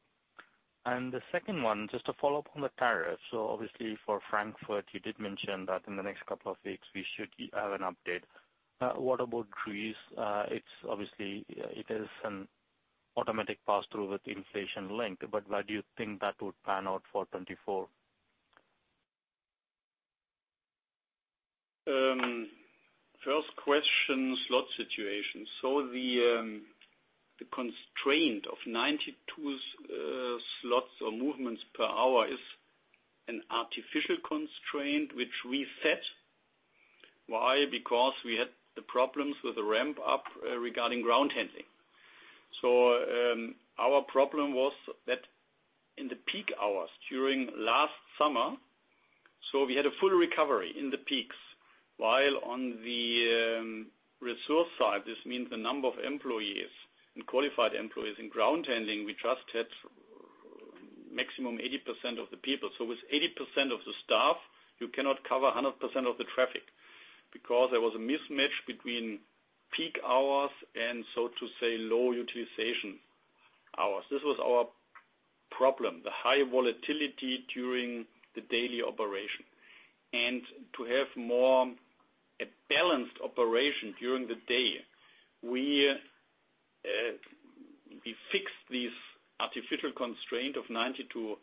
The second one, just to follow up on the tariff. Obviously for Frankfurt, you did mention that in the next couple of weeks, we should have an update. What about Greece? It's obviously, it is an automatic pass-through with inflation linked, but where do you think that would pan out for 2024? First question, slot situation. The constraint of 92 slots or movements per hour is an artificial constraint, which we set. Why? Because we had the problems with the ramp up regarding ground handling. Our problem was that in the peak hours during last summer, so we had a full recovery in the peaks, while on the resource side, this means the number of employees and qualified employees in ground handling, we just had maximum 80% of the people. With 80% of the staff, you cannot cover 100% of the traffic because there was a mismatch between peak hours and so to say, low utilization hours. This was our problem, the high volatility during the daily operation. To have a balanced operation during the day, we fixed this artificial constraint of 92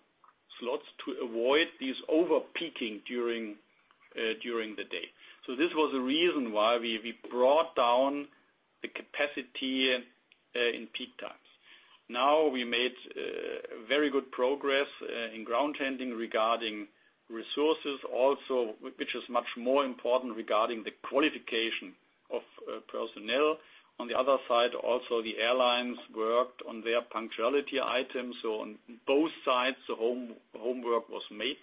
slots to avoid this over peaking during the day. This was the reason why we brought down the capacity in peak times. Now, we made very good progress in ground handling regarding resources also, which is much more important regarding the qualification of personnel. On the other side, also, the airlines worked on their punctuality items. On both sides, the home-homework was made.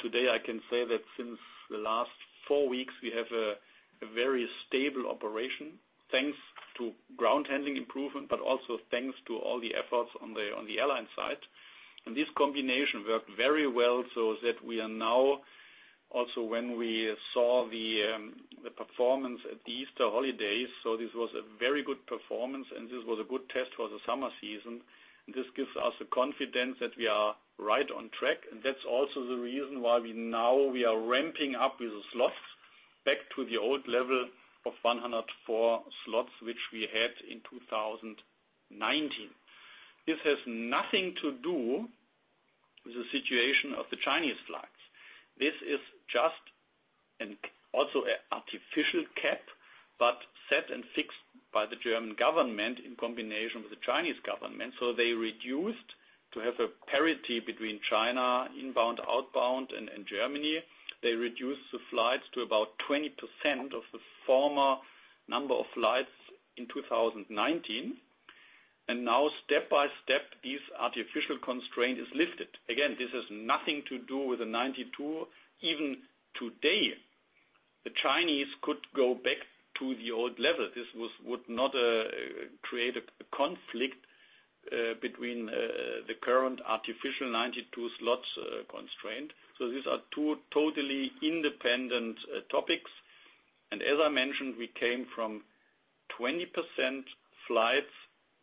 Today, I can say that since the last four weeks, we have a very stable operation, thanks to ground handling improvement, but also thanks to all the efforts on the airline side. This combination worked very well, so that we are now also when we saw the performance at the Easter holidays. This was a very good performance, and this was a good test for the summer season. This gives us the confidence that we are right on track. That's also the reason why we now are ramping up with the slots back to the old level of 104 slots, which we had in 2019. This has nothing to do with the situation of the Chinese flights. This is just an artificial cap, but set and fixed by the German government in combination with the Chinese government. They reduced to have a parity between China inbound, outbound, and Germany. They reduced the flights to about 20% of the former number of flights in 2019. Now step by step, this artificial constraint is lifted. Again, this has nothing to do with the 92. Even today, the Chinese could go back to the old level. This would not create a conflict between the current artificial 92 slots constraint. These are two totally independent topics. As I mentioned, we came from 20% flights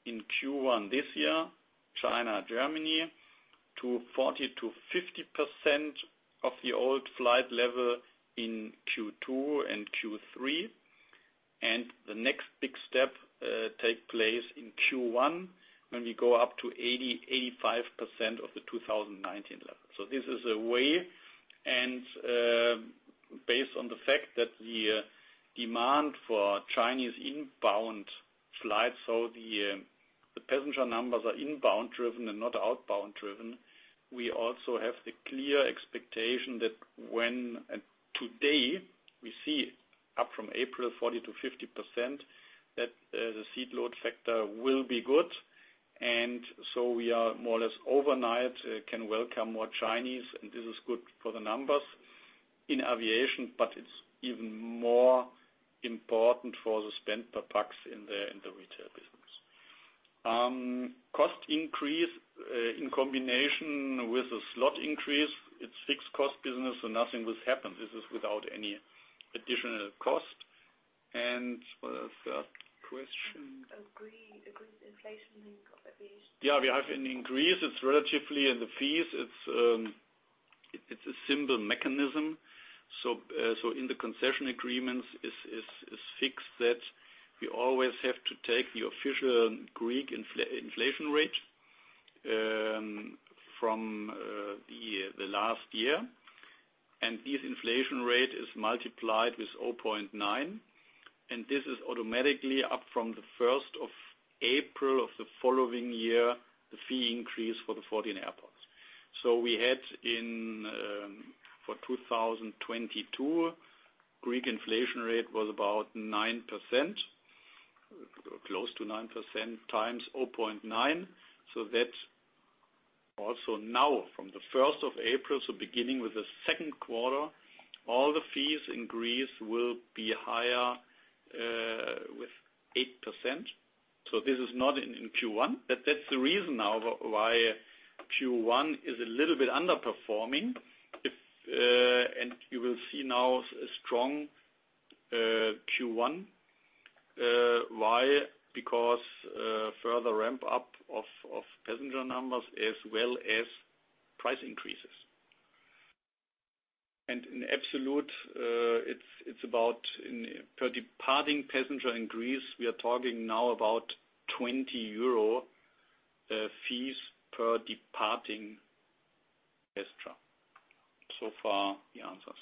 in Q1 this year, China, Germany, to 40%-50% of the old flight level in Q2 and Q3. The next big step take place in Q1 when we go up to 80%-85% of the 2019 level. This is a way and based on the fact that the demand for Chinese inbound flights, the passenger numbers are inbound driven and not outbound driven. We also have the clear expectation that and today we see up from April 40%-50% that the seat load factor will be good. We are more or less overnight can welcome more Chinese, and this is good for the numbers in aviation, but it's even more important for the spend per passenger in the retail business. Cost increase in combination with the slot increase, it's fixed cost business, so nothing will happen. This is without any additional cost. What was the third question? Agree. Agree with inflation in aviation. We have an increase. It's relatively in the fees. It's a simple mechanism. In the concession agreements is fixed that we always have to take the official Greek inflation rate from the last year. This inflation rate is multiplied with 0.9, and this is automatically up from the April 1st of the following year, the fee increase for the 14 airports. We had in, for 2022, Greek inflation rate was about 9%, close to 9% times 0.9. That also now from the April 1st, beginning with Q2, all the fees in Greece will be higher with 8%. This is not in Q1, but that's the reason now why Q1 is a little bit underperforming. You will see now a strong Q1. Why? Because further ramp up of passenger numbers as well as price increases. In absolute, it's about in per departing passenger in Greece, we are talking now about 20 euro fees per departing guest travel. So far the answers.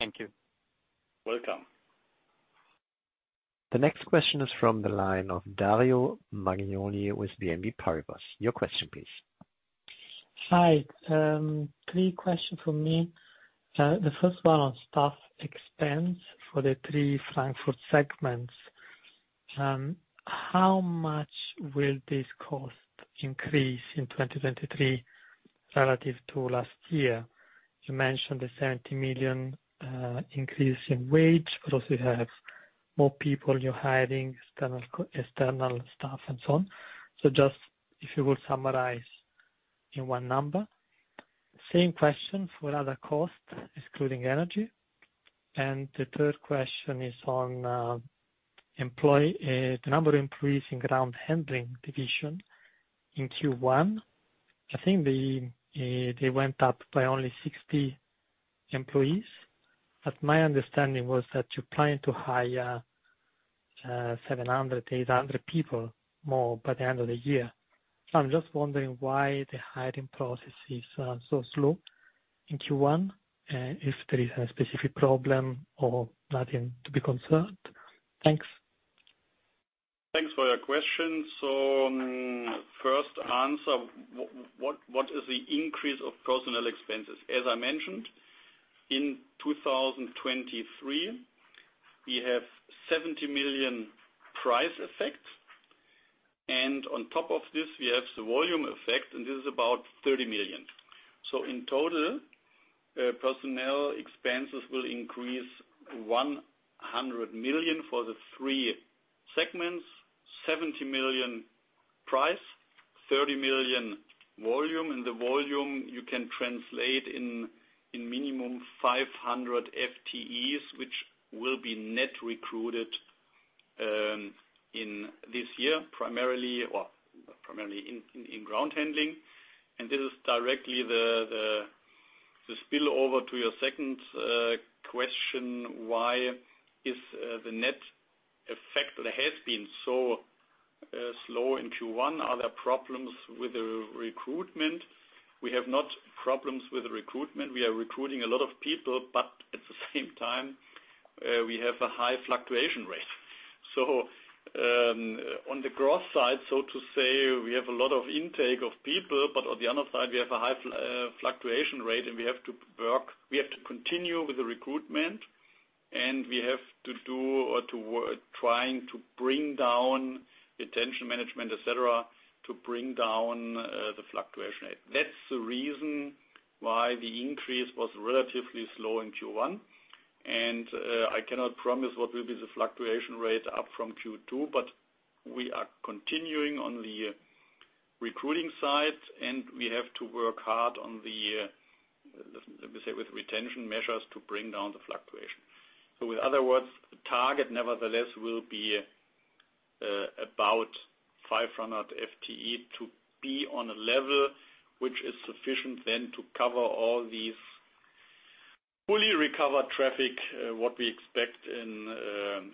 Thank you. Welcome. The next question is from the line of Dario Maglione with BNP Paribas. Your question, please. Hi. Three questions from me. The first one on staff expense for the three Frankfurt segments. How much will this cost increase in 2023 relative to last year? You mentioned the 70 million increase in wage, also you have more people you are hiring, external staff and so on. Just if you would summarize in one number. Same question for other costs, excluding energy. The third question is on employee, the number of employees in ground handling division in Q1. I think they went up by only 60 employees, my understanding was that you're planning to hire 700-800 people more by the end of the year. I'm just wondering why the hiring process is so slow in Q1, if there is a specific problem or nothing to be concerned. Thanks. Thanks for your question. First answer, what is the increase of personnel expenses? As I mentioned, in 2023, we have 70 million price effect, and on top of this, we have the volume effect, and this is about 30 million. In total, personnel expenses will increase 100 million for the three segments, 70 million price, 30 million volume. The volume you can translate in minimum 500 FTEs, which will be net recruited in this year, primarily in ground handling. This is directly the spillover to your second question, why is the net effect that has been so slow in Q1? Are there problems with the recruitment? We have not problems with the recruitment. We are recruiting a lot of people, but at the same time, we have a high fluctuation rate. On the growth side, so to say, we have a lot of intake of people, but on the other side, we have a high fluctuation rate, and we have to work. We have to continue with the recruitment, and we have to do or to trying to bring down retention management, et cetera, to bring down the fluctuation rate. That's the reason why the increase was relatively slow in Q1. I cannot promise what will be the fluctuation rate up from Q2, but we are continuing on the recruiting side, and we have to work hard on the, let me say, with retention measures to bring down the fluctuation. In other words, the target nevertheless will be about 500 FTE to be on a level which is sufficient then to cover all these fully recovered traffic, what we expect in,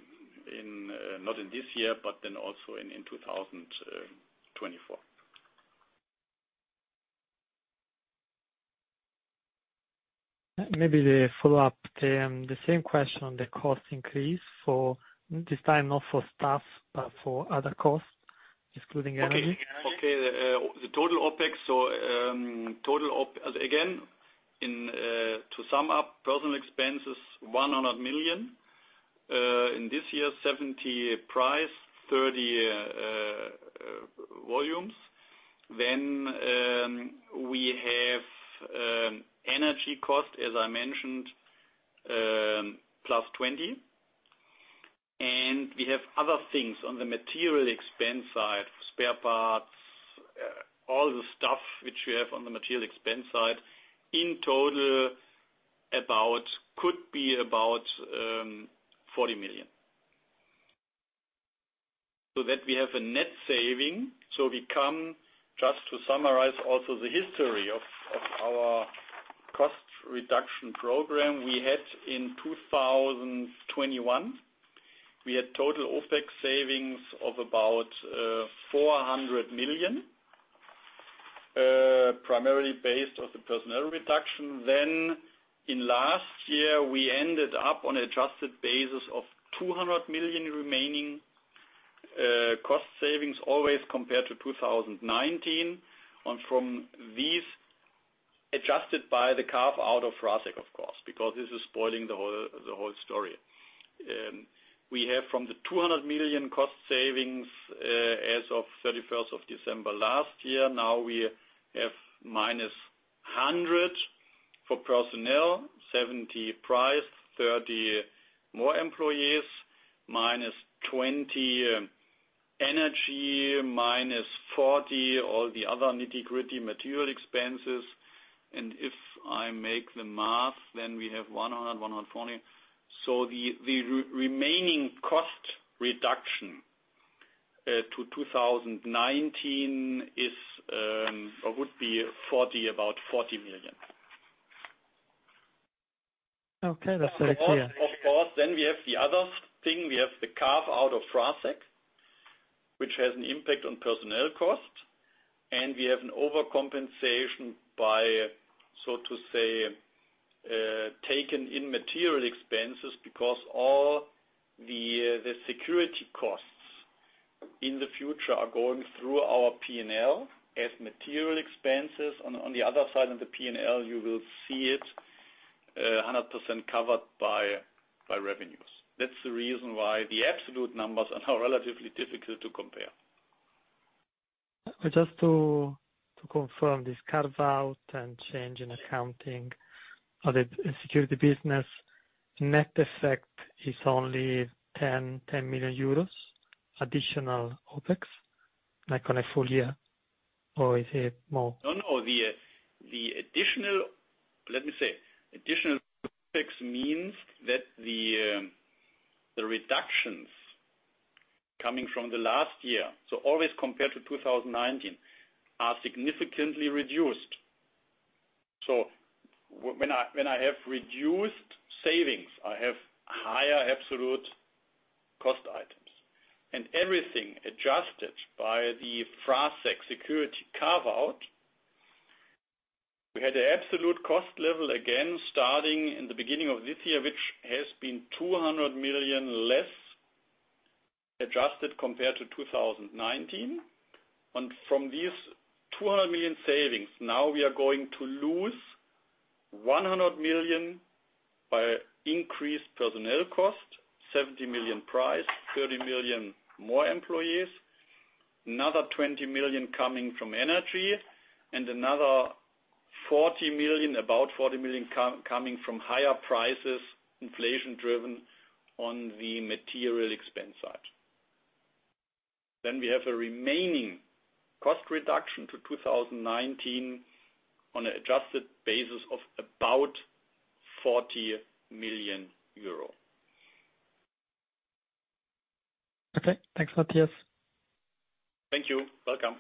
not in this year, but then also in 2024. Maybe the follow-up, the same question on the cost increase for this time not for staff, but for other costs, excluding energy. Okay. The total OpEx. Again, in to sum up personal expense is 100 million. In this year, 70 price, 30 volumes. We have energy cost, as I mentioned, +20. We have other things on the material expense side, spare parts, all the stuff which we have on the material expense side. In total, about, could be about 40 million. That we have a net saving, so we come just to summarize also the history of our cost reduction program we had in 2021. We had total OpEx savings of about 400 million, primarily based on the personnel reduction. In last year, we ended up on adjusted basis of 200 million remaining cost savings, always compared to 2019. From these, adjusted by the carve-out of FraSec, of course, because this is spoiling the whole story. We have from the 200 million cost savings as of December 31st last year. Now we have minus 100 for personnel, 70 price, 30 more employees, minus 20 energy, minus 40 all the other nitty-gritty material expenses. If I make the math, then we have 100, 120. The remaining cost reduction to 2019 is or would be 40, about 40 million. Okay. That's very clear. Of course, we have the other thing. We have the carve-out of FraSec, which has an impact on personnel costs. We have an overcompensation by, so to say, taken in material expenses because all the security costs in the future are going through our P&L as material expenses. On the other side of the P&L, you will see it, 100% covered by revenues. That's the reason why the absolute numbers are now relatively difficult to compare. Just to confirm this carve-out and change in accounting of the security business, net effect is only 10 million euros additional OpEx, like, on a full year, or is it more? No, no. The additional Let me say, additional OpEx means that the reductions coming from the last year, so always compared to 2019, are significantly reduced. When I have reduced savings, I have higher absolute cost items. Everything adjusted by the FraSec security carve-out, we had an absolute cost level, again, starting in the beginning of this year, which has been 200 million less adjusted compared to 2019. From these 200 million savings, now we are going to lose 100 million by increased personnel costs, 70 million price, 30 million more employees, another 20 million coming from energy and another 40 million, about 40 million coming from higher prices, inflation-driven on the material expense side. We have a remaining cost reduction to 2019 on an adjusted basis of about 40 million euro. Okay. Thanks, Matthias. Thank you. Welcome.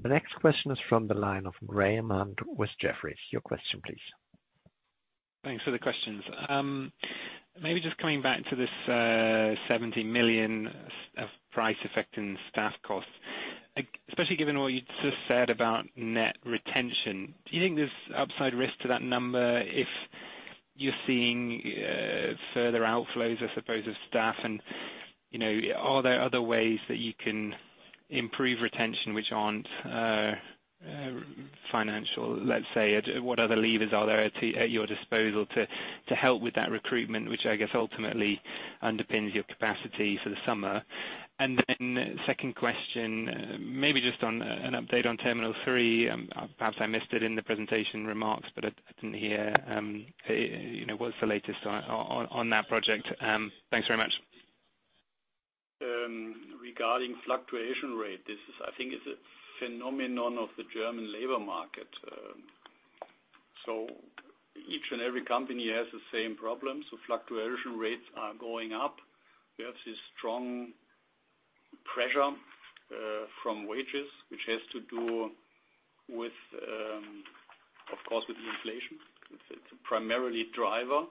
The next question is from the line of Graham Hunt with Jefferies. Your question, please. Thanks for the questions. Maybe just coming back to this, 70 million of price effect in staff costs, especially given all you just said about net retention, do you think there's upside risk to that number if you're seeing further outflows, I suppose, of staff? You know, are there other ways that you can improve retention which aren't financial, let's say? What other levers are there at your disposal to help with that recruitment, which I guess ultimately underpins your capacity for the summer? Second question, maybe just on an update on Terminal 3. Perhaps I missed it in the presentation remarks, but I didn't hear, you know, what's the latest on that project? Thanks very much. Regarding fluctuation rate, this is, I think it's a phenomenon of the German labor market. Each and every company has the same problems. Fluctuation rates are going up. We have this strong pressure from wages, which has to do with, of course, with the inflation. It's primarily driver,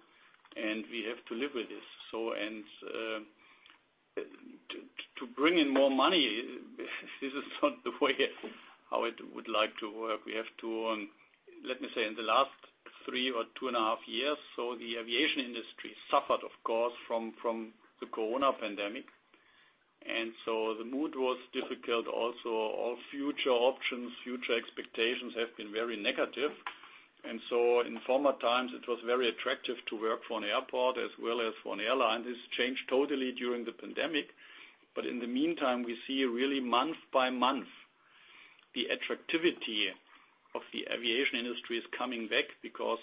and we have to live with this. To bring in more money, this is not the way how it would like to work. We have to, let me say in the last three or two and a half years, the aviation industry suffered of course from the COVID pandemic. The mood was difficult also. All future options, future expectations have been very negative. In former times, it was very attractive to work for an airport as well as for an airline. This changed totally during the pandemic. In the meantime, we see really month by month, the attractivity of the aviation industry is coming back because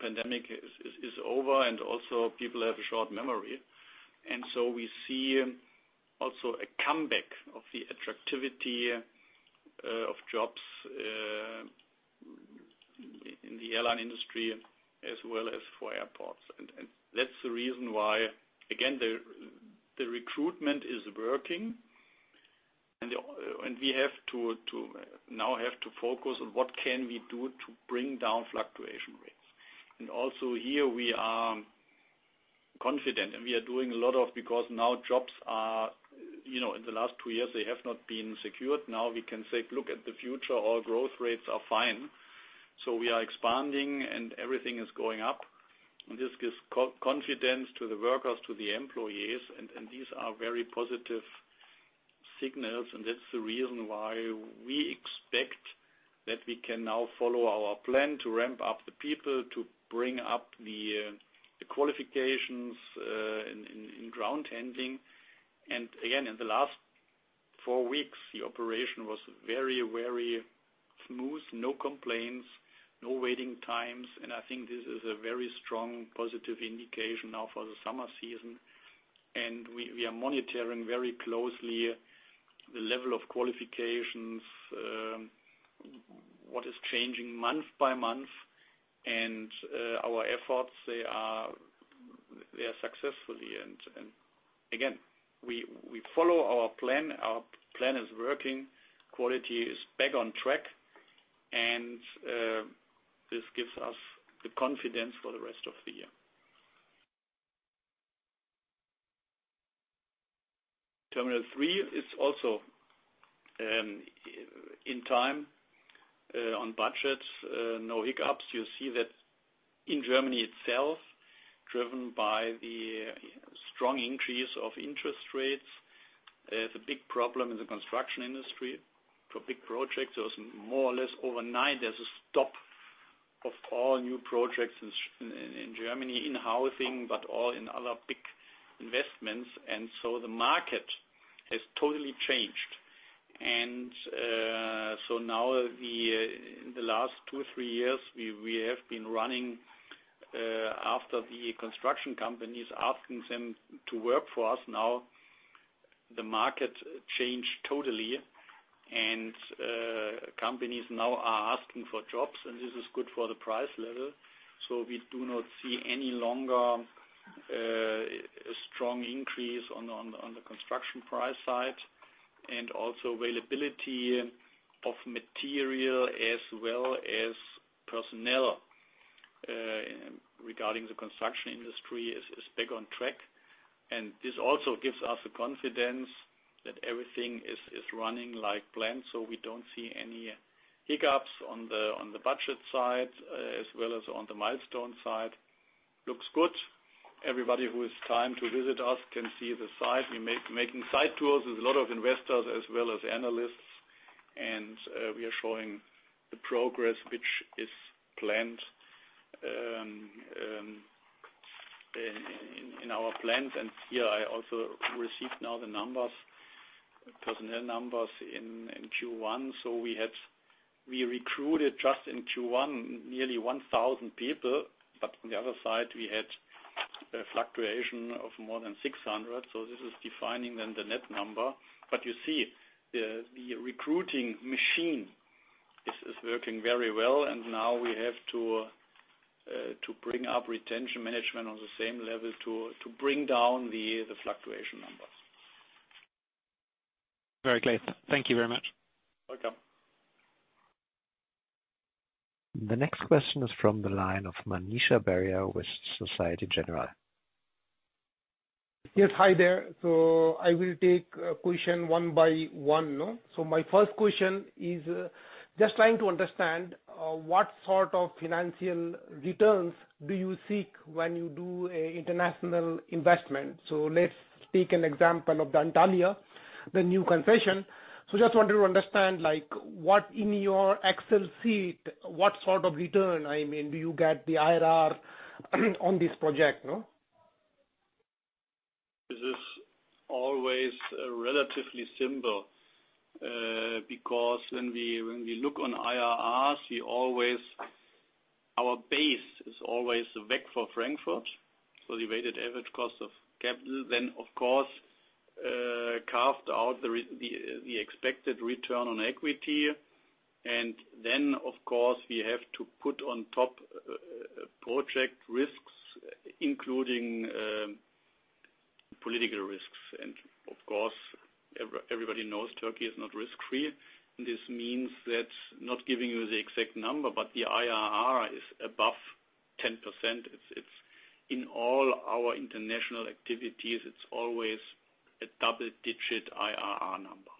pandemic is over. Also people have a short memory. We see also a comeback of the attractivity of jobs in the airline industry, as well as for airports. That's the reason why, again, the recruitment is working and we have now to focus on what can we do to bring down fluctuation rates. Also here we are confident, and we are doing a lot of because now jobs are, you know, in the last two years they have not been secured. Now we can say, look at the future. All growth rates are fine. We are expanding and everything is going up. This gives co-confidence to the workers, to the employees. These are very positive signals, and that's the reason why we expect that we can now follow our plan to ramp up the people, to bring up the qualifications in, in ground handling. Again, in the last four weeks, the operation was very, very smooth. No complaints, no waiting times. I think this is a very strong positive indication now for the summer season. We, we are monitoring very closely the level of qualifications, what is changing month by month. Our efforts, they are successfully. Again, we follow our plan. Our plan is working, quality is back on track. This gives us the confidence for the rest of the year. Terminal three is also in time, on budgets, no hiccups. You see that in Germany itself, driven by the strong increase of interest rates. The big problem in the construction industry for big projects, there was more or less overnight, there's a stop of all new projects in Germany, in housing, but all in other big investments. The market has totally changed. Now we the last two, three years, we have been running after the construction companies asking them to work for us, now the market changed totally and companies now are asking for jobs, and this is good for the price level. We do not see any longer a strong increase on the construction price side. Also availability of material as well as personnel regarding the construction industry is big on track. This also gives us the confidence that everything is running like planned. We don't see any hiccups on the budget side as well as on the milestone side. Looks good. Everybody who has time to visit us can see the site. We making site tours with a lot of investors as well as analysts. We are showing the progress which is planned in our plans. Here I also received now the numbers, personnel numbers in Q1. We recruited just in Q1, nearly 1,000 people. But on the other side, we had a fluctuation of more than 600. This is defining then the net number. You see the recruiting machine is working very well. Now we have to bring up retention management on the same level to bring down the fluctuation numbers. Very clear. Thank you very much. Welcome. The next question is from the line of Manish Beria with Société Générale. Yes. Hi there. I will take question one by one, no? My first question is just trying to understand what sort of financial returns do you seek when you do a international investment? Let's take an example of the Antalya, the new concession. Just wanted to understand like what in your Excel sheet, what sort of return, I mean, do you get the IRR on this project, no? This is always relatively simple, because when we, when we look on IRRs, our base is always the WACC for Frankfurt, so the weighted average cost of capital. Of course, carved out the expected return on equity. Then, of course, we have to put on top project risks, including political risks. Of course, everybody knows Turkey is not risk-free. This means that not giving you the exact number, but the IRR is above 10%. It's in all our international activities, it's always a double-digit IRR number.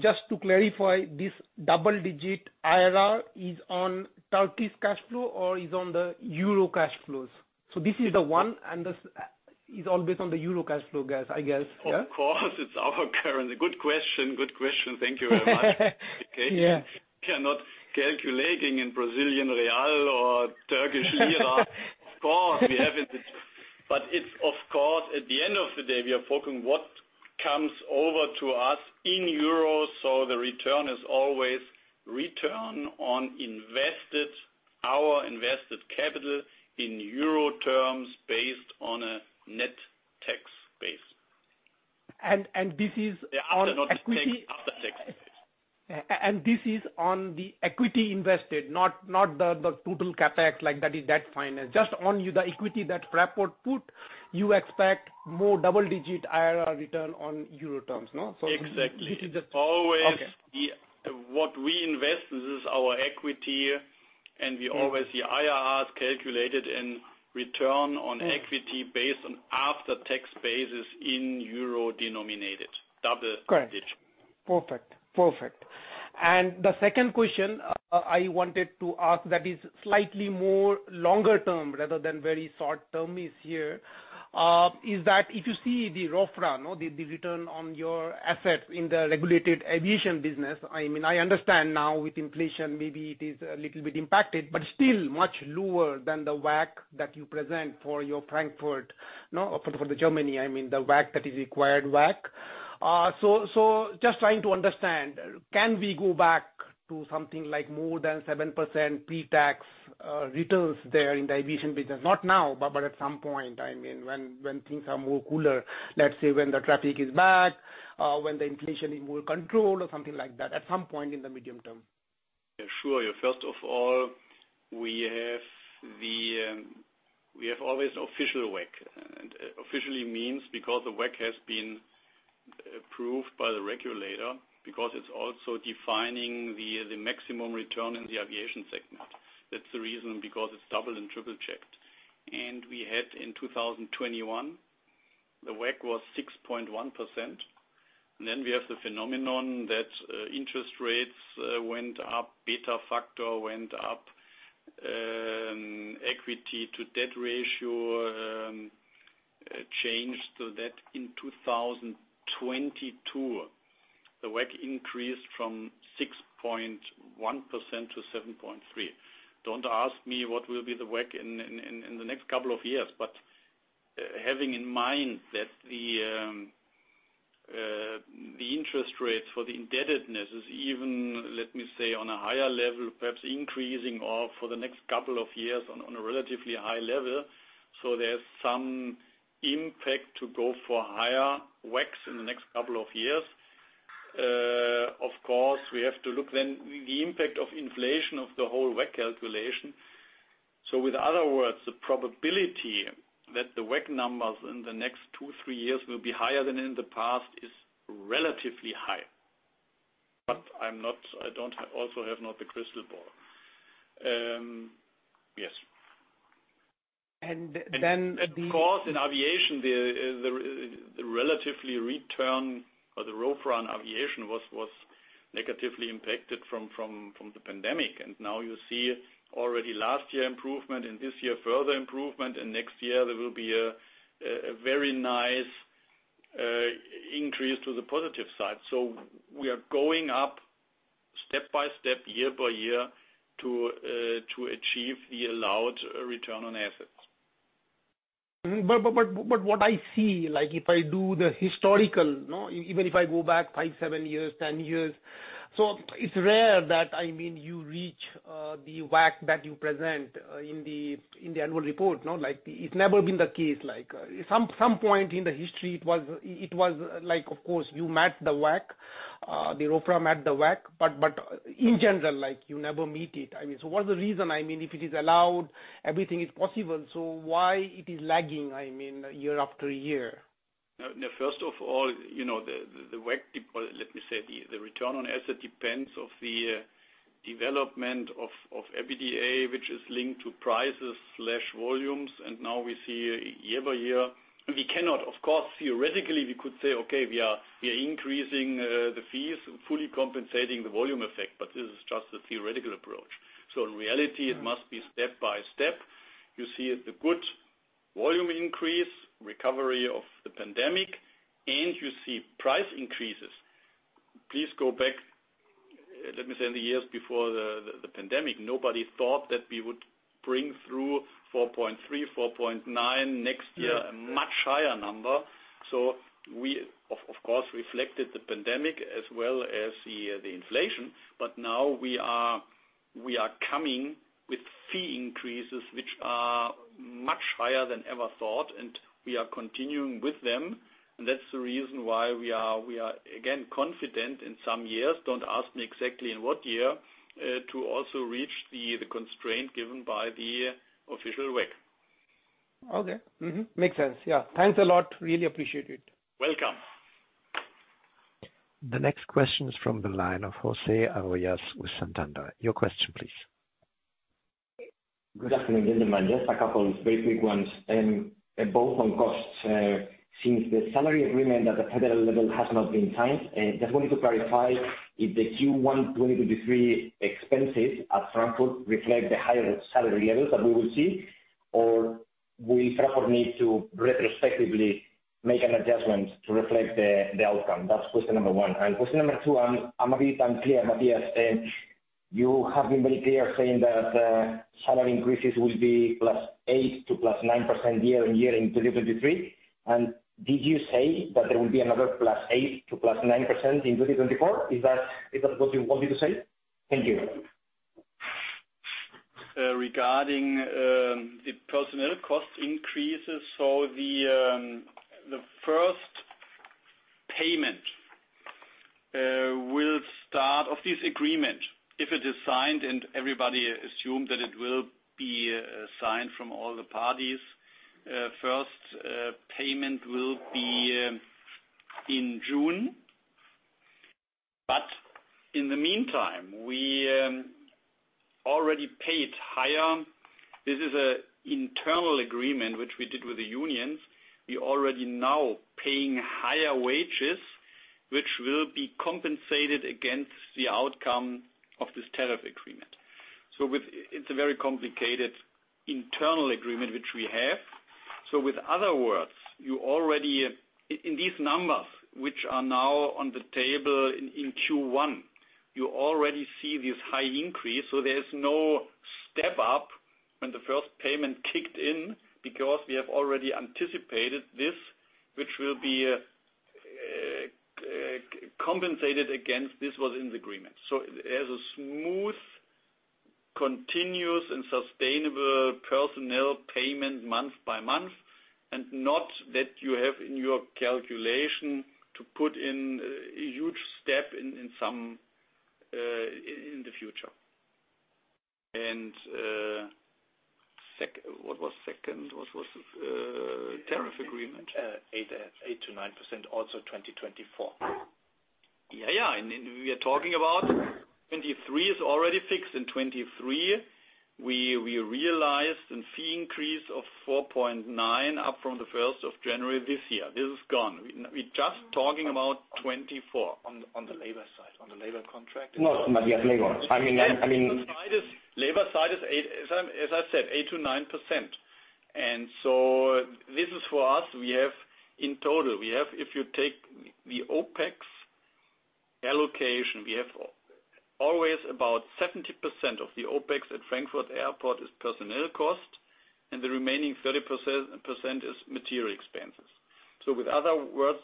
Just to clarify, this double-digit IRR is on Turkey's cashflow or is on the euro cashflows? This is the one and this is all based on the euro cashflow, guys, I guess. Yeah? Good question. Thank you very much. Yeah. We cannot calculating in Brazilian real or Turkish lira. Of course, we have it. It's of course, at the end of the day, we are focusing what comes over to us in euros. The return is always return on invested, our invested capital in euro terms based on a net tax base. And, and this is on equity- They are not the same after tax base. This is on the equity invested, not the total CapEx like that is debt finance. Just on the equity that Fraport put, you expect more double digit IRR return on euro terms, no? Exactly. This is just-. Always- Okay. What we invest, this is our equity, and we always see IRRs calculated in return on equity based on after tax basis in euro denominated double digit. Correct. Perfect. The second question, I wanted to ask that is slightly more longer term rather than very short term is here, is that if you see the ROFRA, no, the return on your assets in the regulated aviation business, I mean, I understand now with inflation, maybe it is a little bit impacted, but still much lower than the WACC that you present for your Frankfurt, no? For the Germany, I mean, the WACC that is required WACC. Just trying to understand, can we go back to something like more than 7% pre-tax returns there in the aviation business? Not now, but at some point, I mean, when things are more cooler, let's say when the traffic is back, when the inflation is more controlled or something like that, at some point in the medium term. Yeah, sure. First of all, we have the, we have always official WACC. Officially means because the WACC has been approved by the regulator because it's also defining the maximum return in the aviation segment. That's the reason because it's double and triple-checked. We had in 2021, the WACC was 6.1%. We have the phenomenon that interest rates went up, beta factor went up, equity to debt ratio changed. That in 2022, the WACC increased from 6.1%-7.3%. Don't ask me what will be the WACC in the next couple of years, but having in mind that the interest rates for the indebtedness is even, let me say, on a higher level, perhaps increasing or for the next couple of years on a relatively high level. There's some impact to go for higher WACCs in the next couple of years. Of course, we have to look then the impact of inflation of the whole WACC calculation. With other words, the probability that the WACC numbers in the next two, three years will be higher than in the past is relatively high. I don't also have not the crystal ball. Yes. the- Of course, in aviation, the relatively return or the ROFRA on aviation was negatively impacted from the pandemic. Now you see already last year improvement and this year further improvement. Next year there will be a very nice increase to the positive side. We are going up step by step, year by year to achieve the allowed return on assets. What I see, like if I do the historical, no. Even if I go back five, seven years, 10 years, it's rare that, I mean, you reach the WACC that you present in the annual report, no. Like, it's never been the case. Like, at some point in the history, it was like, of course, you met the WACC, the ROFRA met the WACC, but in general, like you never meet it. I mean, what's the reason? I mean, if it is allowed, everything is possible. Why it is lagging, I mean, year after year? First of all, you know, the WACC, let me say the return on asset depends of the development of EBITDA, which is linked to prices/volumes. Now we see year by year, we cannot. Of course, theoretically, we could say, okay, we are increasing the fees, fully compensating the volume effect, but this is just a theoretical approach. In reality, it must be step by step. You see the good volume increase, recovery of the pandemic, and you see price increases. Please go back, let me say in the years before the pandemic, nobody thought that we would bring through 4.3, 4.9, next year a much higher number. We of course reflected the pandemic as well as the inflation. Now we are coming with fee increases, which are much higher than ever thought, and we are continuing with them. That's the reason why we are again confident in some years, don't ask me exactly in what year, to also reach the constraint given by the official WACC. Okay. Makes sense. Yeah. Thanks a lot. Really appreciate it. Welcome. The next question is from the line of José Arroyas with Santander. Your question please. Good afternoon, gentlemen. Just a couple very quick ones, both on costs. Since the salary agreement at the federal level has not been signed, just wanted to clarify if the Q1 2023 expenses at Frankfurt reflect the higher salary levels that we will see, or will Frankfurt need to retrospectively make an adjustment to reflect the outcome? That's question number one. Question number two, I'm a bit unclear, Matthias. You have been very clear saying that salary increases will be +8%-+9% year-on-year in 2023. Did you say that there will be another +8%-+9% in 2024? Is that what you wanted to say? Thank you. Regarding the personnel cost increases. The first payment of this agreement. If it is signed, and everybody assumes that it will be signed from all the parties, first payment will be in June. In the meantime, we already paid higher. This is a internal agreement which we did with the unions. We already now paying higher wages, which will be compensated against the outcome of this tariff agreement. It's a very complicated internal agreement which we have. With other words, in these numbers, which are now on the table in Q1, you already see this high increase, so there's no step up when the first payment kicked in because we have already anticipated this, which will be compensated against. This was in the agreement. As a smooth, continuous and sustainable personnel payment month by month, and not that you have in your calculation to put in a huge step in some, in the future. What was second? What was, tariff agreement? 8%-9% also 2024. Yeah, yeah. We are talking about 23 is already fixed. In 23, we realized a fee increase of 4.9 up from the 1st of January this year. This is gone. We're just talking about 24. On the labor side, on the labor contract. No, Matthias, labor. I mean. Labor side is, as I said, 8%-9%. This is for us. We have in total, if you take the OpEx allocation, we have always about 70% of the OpEx at Frankfurt Airport is personnel cost and the remaining 30% is material expenses. With other words,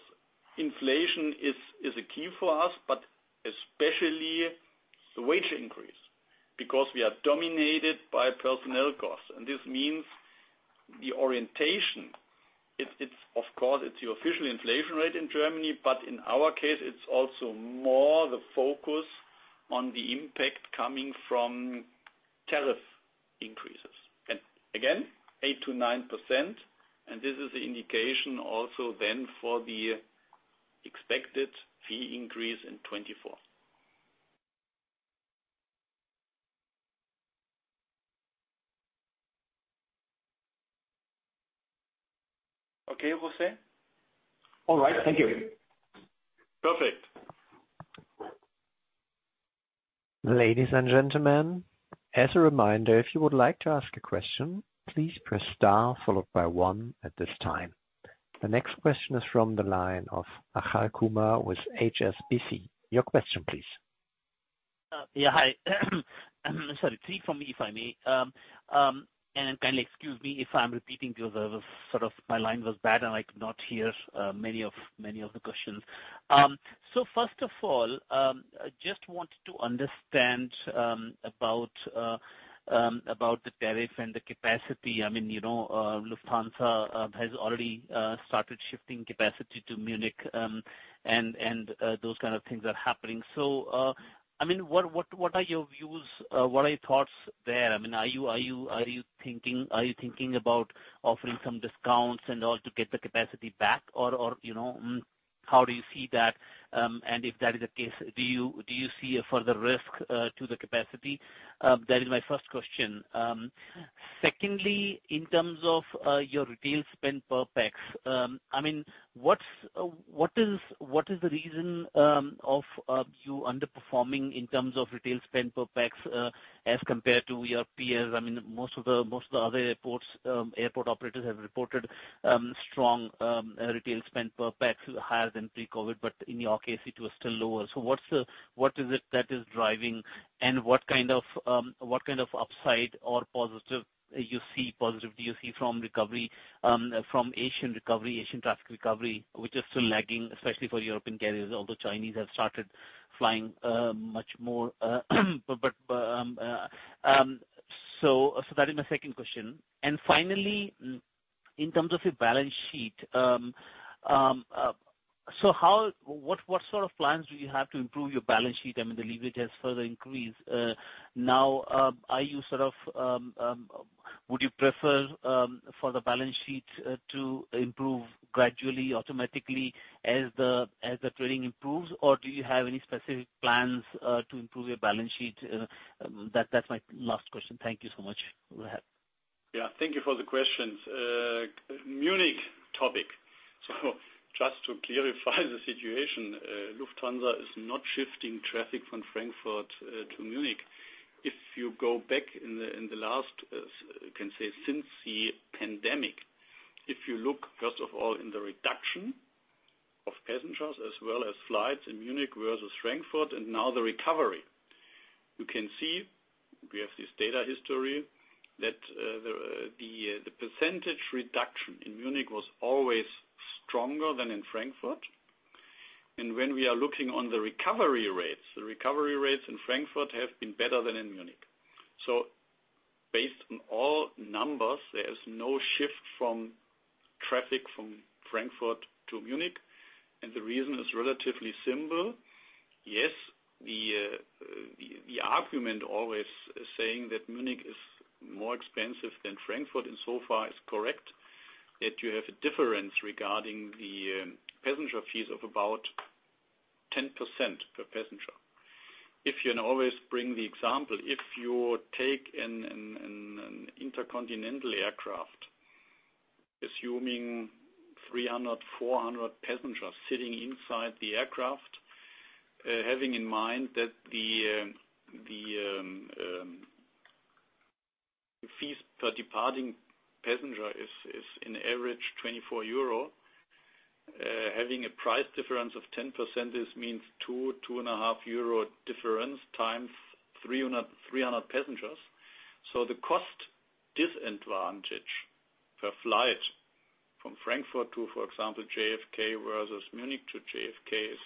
inflation is a key for us, but especially the wage increase because we are dominated by personnel costs. This means the orientation, it's of course it's your official inflation rate in Germany, but in our case it's also more the focus on the impact coming from tariff increases. Again, 8%-9%, this is the indication also then for the expected fee increase in 2024. Okay, José? All right. Thank you. Perfect. Ladies and gentlemen, as a reminder, if you would like to ask a question, please press star followed by one at this time. The next question is from the line of Achal Kumar with HSBC. Your question please. Yeah. Hi. Sorry, three for me, if I may. Kindly excuse me if I'm repeating because my line was bad and I could not hear many of the questions. First of all, just wanted to understand about the tariff and the capacity. I mean, you know, Lufthansa has already started shifting capacity to Munich, and those kind of things are happening. I mean, what are your views? What are your thoughts there? I mean, are you thinking about offering some discounts in order to get the capacity back or, you know, how do you see that? If that is the case, do you see a further risk to the capacity? That is my first question. Secondly, in terms of your retail spend per passenger, I mean, what is the reason of you underperforming in terms of retail spend per passenger as compared to your peers? I mean, most of the other airports, airport operators have reported strong retail spend per passenger higher than pre-COVID, in your case it was still lower. What is it that is driving and what kind of what kind of upside or positive you see, positive do you see from recovery from Asian recovery, Asian traffic recovery, which is still lagging especially for European carriers, although Chinese have started flying much more. That is my second question. Finally, in terms of your balance sheet, what sort of plans do you have to improve your balance sheet? I mean, the leverage has further increased. Now, are you sort of would you prefer for the balance sheet to improve gradually, automatically as the trading improves? Do you have any specific plans to improve your balance sheet? That's my last question. Thank you so much. Go ahead. Yeah, thank you for the questions. Munich topic. Just to clarify the situation, Lufthansa is not shifting traffic from Frankfurt to Munich. If you go back in the, in the last, you can say since the pandemic, if you look first of all in the reduction of passengers as well as flights in Munich versus Frankfurt and now the recovery, you can see we have this data history that the percentage reduction in Munich was always stronger than in Frankfurt. When we are looking on the recovery rates, the recovery rates in Frankfurt have been better than in Munich. Based on all numbers, there is no shift from traffic from Frankfurt to Munich, and the reason is relatively simple. Yes, the argument always saying that Munich is more expensive than Frankfurt and so far is correct, that you have a difference regarding the passenger fees of about 10% per passenger. If you always bring the example, if you take an intercontinental aircraft, assuming 300, 400 passengers sitting inside the aircraft, having in mind that the fees per departing passenger is in average 24 euro, having a price difference of 10%, this means two and a half euro difference times 300 passengers. The cost disadvantage per flight from Frankfurt to, for example, JFK versus Munich to JFK is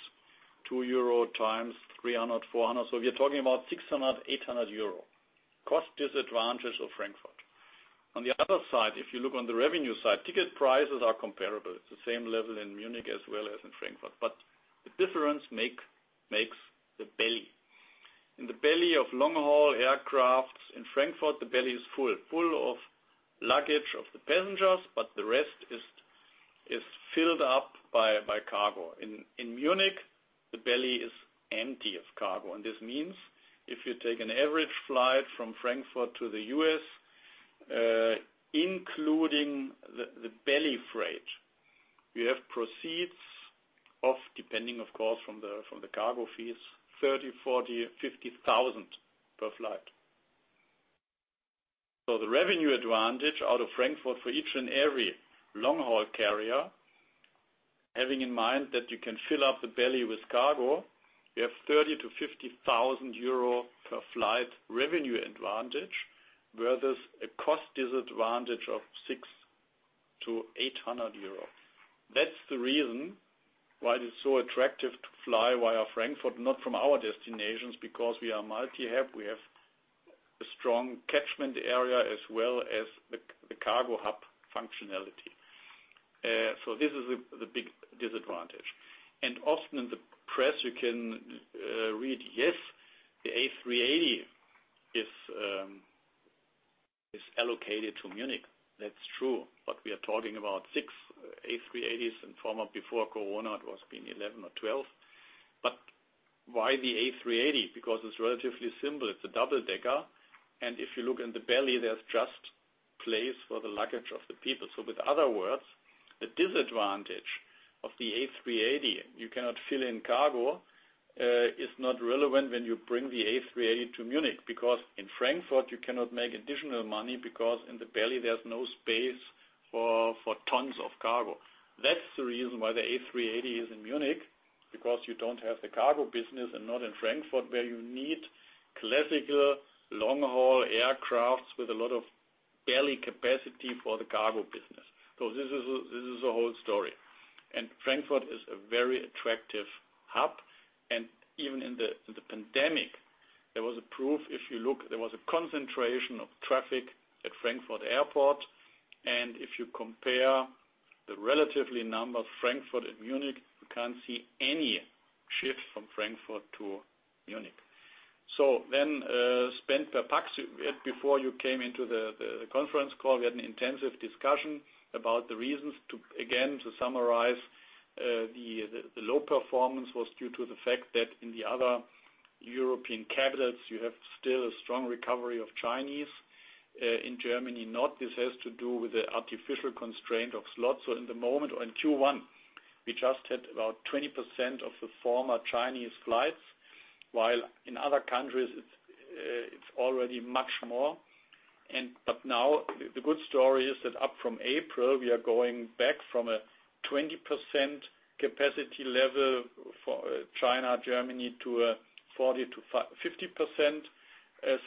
2 euro times 300, 400. We are talking about 600, 800 euro cost disadvantage of Frankfurt. If you look on the revenue side, ticket prices are comparable. It's the same level in Munich as well as in Frankfurt. The difference makes the belly. In the belly of long-haul aircraft in Frankfurt, the belly is full of luggage of the passengers, the rest is filled up by cargo. In Munich, the belly is empty of cargo. This means if you take an average flight from Frankfurt to the U.S., including the belly freight, you have proceeds of, depending of course, from the cargo fees, 30,000-50,000 per flight. The revenue advantage out of Frankfurt for each and every long-haul carrier, having in mind that you can fill up the belly with cargo, you have 30,000-50,000 euro per flight revenue advantage, versus a cost disadvantage of 600-800 euro. That's the reason why it's so attractive to fly via Frankfurt, not from our destinations, because we are multi-hub. We have a strong catchment area as well as the cargo hub functionality. this is the big disadvantage. And often in the press you can, read, yes, the A380 is allocated to Munich. That's true, but we are talking about six A380s and former before COVID, it was been 11 or 12. But why the A380? Because it's relatively simple. It's a double-decker, and if you look in the belly, there's just place for the luggage of the people. With other words, the disadvantage of the A380, you cannot fill in cargo, is not relevant when you bring the A380 to Munich. In Frankfurt you cannot make additional money because in the belly there's no space for tons of cargo. That's the reason why the A380 is in Munich, because you don't have the cargo business and not in Frankfurt, where you need classical long-haul aircraft with a lot of belly capacity for the cargo business. This is the whole story. Frankfurt is a very attractive hub. Even in the pandemic, there was a proof, if you look, there was a concentration of traffic at Frankfurt Airport. If you compare the relatively number of Frankfurt and Munich, you can't see any shift from Frankfurt to Munich. Spend per passenger, before you came into the conference call, we had an intensive discussion about the reasons to, again, to summarize, the low performance was due to the fact that in the other European capitals you have still a strong recovery of Chinese. In Germany, not this has to do with the artificial constraint of slots. In the moment, in Q1, we just had about 20% of the former Chinese flights, while in other countries it's already much more. Now the good story is that up from April, we are going back from a 20% capacity level for China, Germany to a 40-50%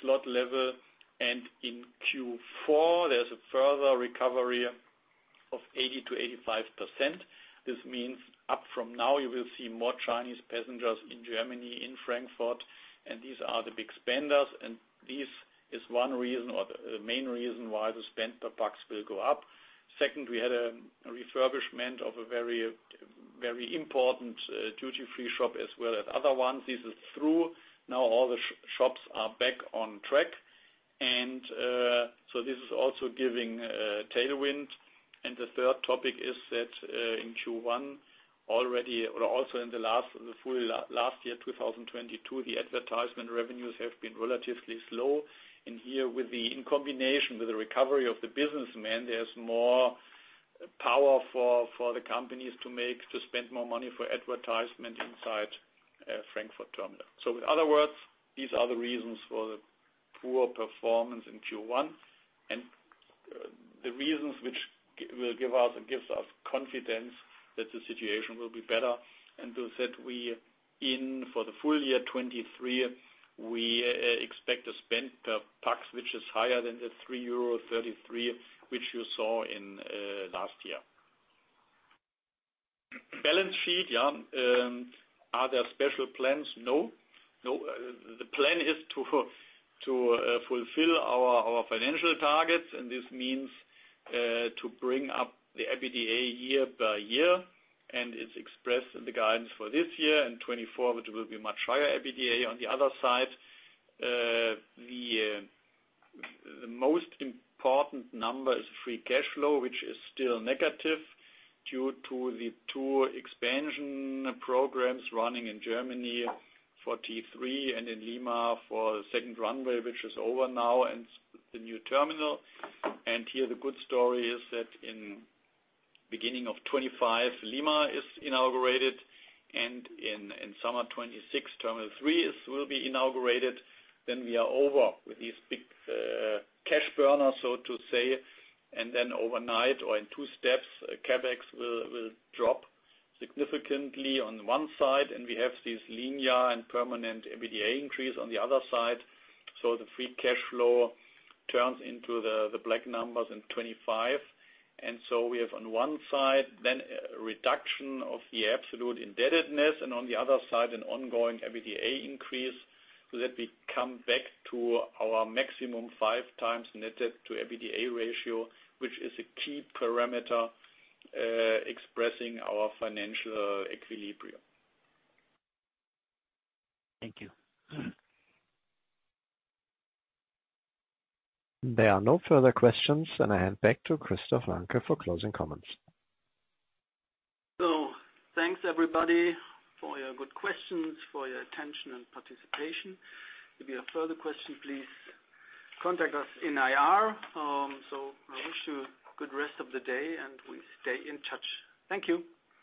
slot level. In Q4, there's a further recovery of 80%-85%. This means up from now, you will see more Chinese passengers in Germany, in Frankfurt, and these are the big spenders. This is one reason or the main reason why the spend per passenger will go up. Second, we had a refurbishment of a very, very important duty-free shop as well as other ones. This is through. Now all the shops are back on track. This is also giving a tailwind. The third topic is that in Q1, already or also in the last full last year, 2022, the advertisement revenues have been relatively slow. Here with the, in combination with the recovery of the businessmen, there's more power for the companies to make, to spend more money for advertisement inside Frankfurt terminal. In other words, these are the reasons for the poor performance in Q1 and the reasons which will give us, it gives us confidence that the situation will be better. To that we, in for the full year 2023, we expect a spend per passenger, which is higher than the 3.33 euro, which you saw in last year. Balance sheet, yeah. Are there special plans? No. No, the plan is to fulfill our financial targets, and this means to bring up the EBITDA year by year, and it's expressed in the guidance for this year and 2024, which will be much higher EBITDA on the other side. The most important number is Free Cash Flow, which is still negative due to the two expansion programs running in Germany for T3 and in Lima for second runway, which is over now, and the new terminal. Here, the good story is that in beginning of 2025, Lima is inaugurated, and in summer 2026, Terminal 3 will be inaugurated. We are over with these big cash burners, so to say, and overnight or in two steps, CapEx will drop significantly on one side, and we have this linear and permanent EBITDA increase on the other side. The Free Cash Flow turns into the black numbers in 2025. We have on one side then a reduction of the absolute indebtedness, and on the other side, an ongoing EBITDA increase, so that we come back to our maximum five times Net Debt to EBITDA ratio, which is a key parameter expressing our financial equilibrium. Thank you. There are no further questions, and I hand back to Christoph Nanke for closing comments. Thanks, everybody, for your good questions, for your attention and participation. If you have further question, please contact us in IR. I wish you good rest of the day, and we stay in touch. Thank you.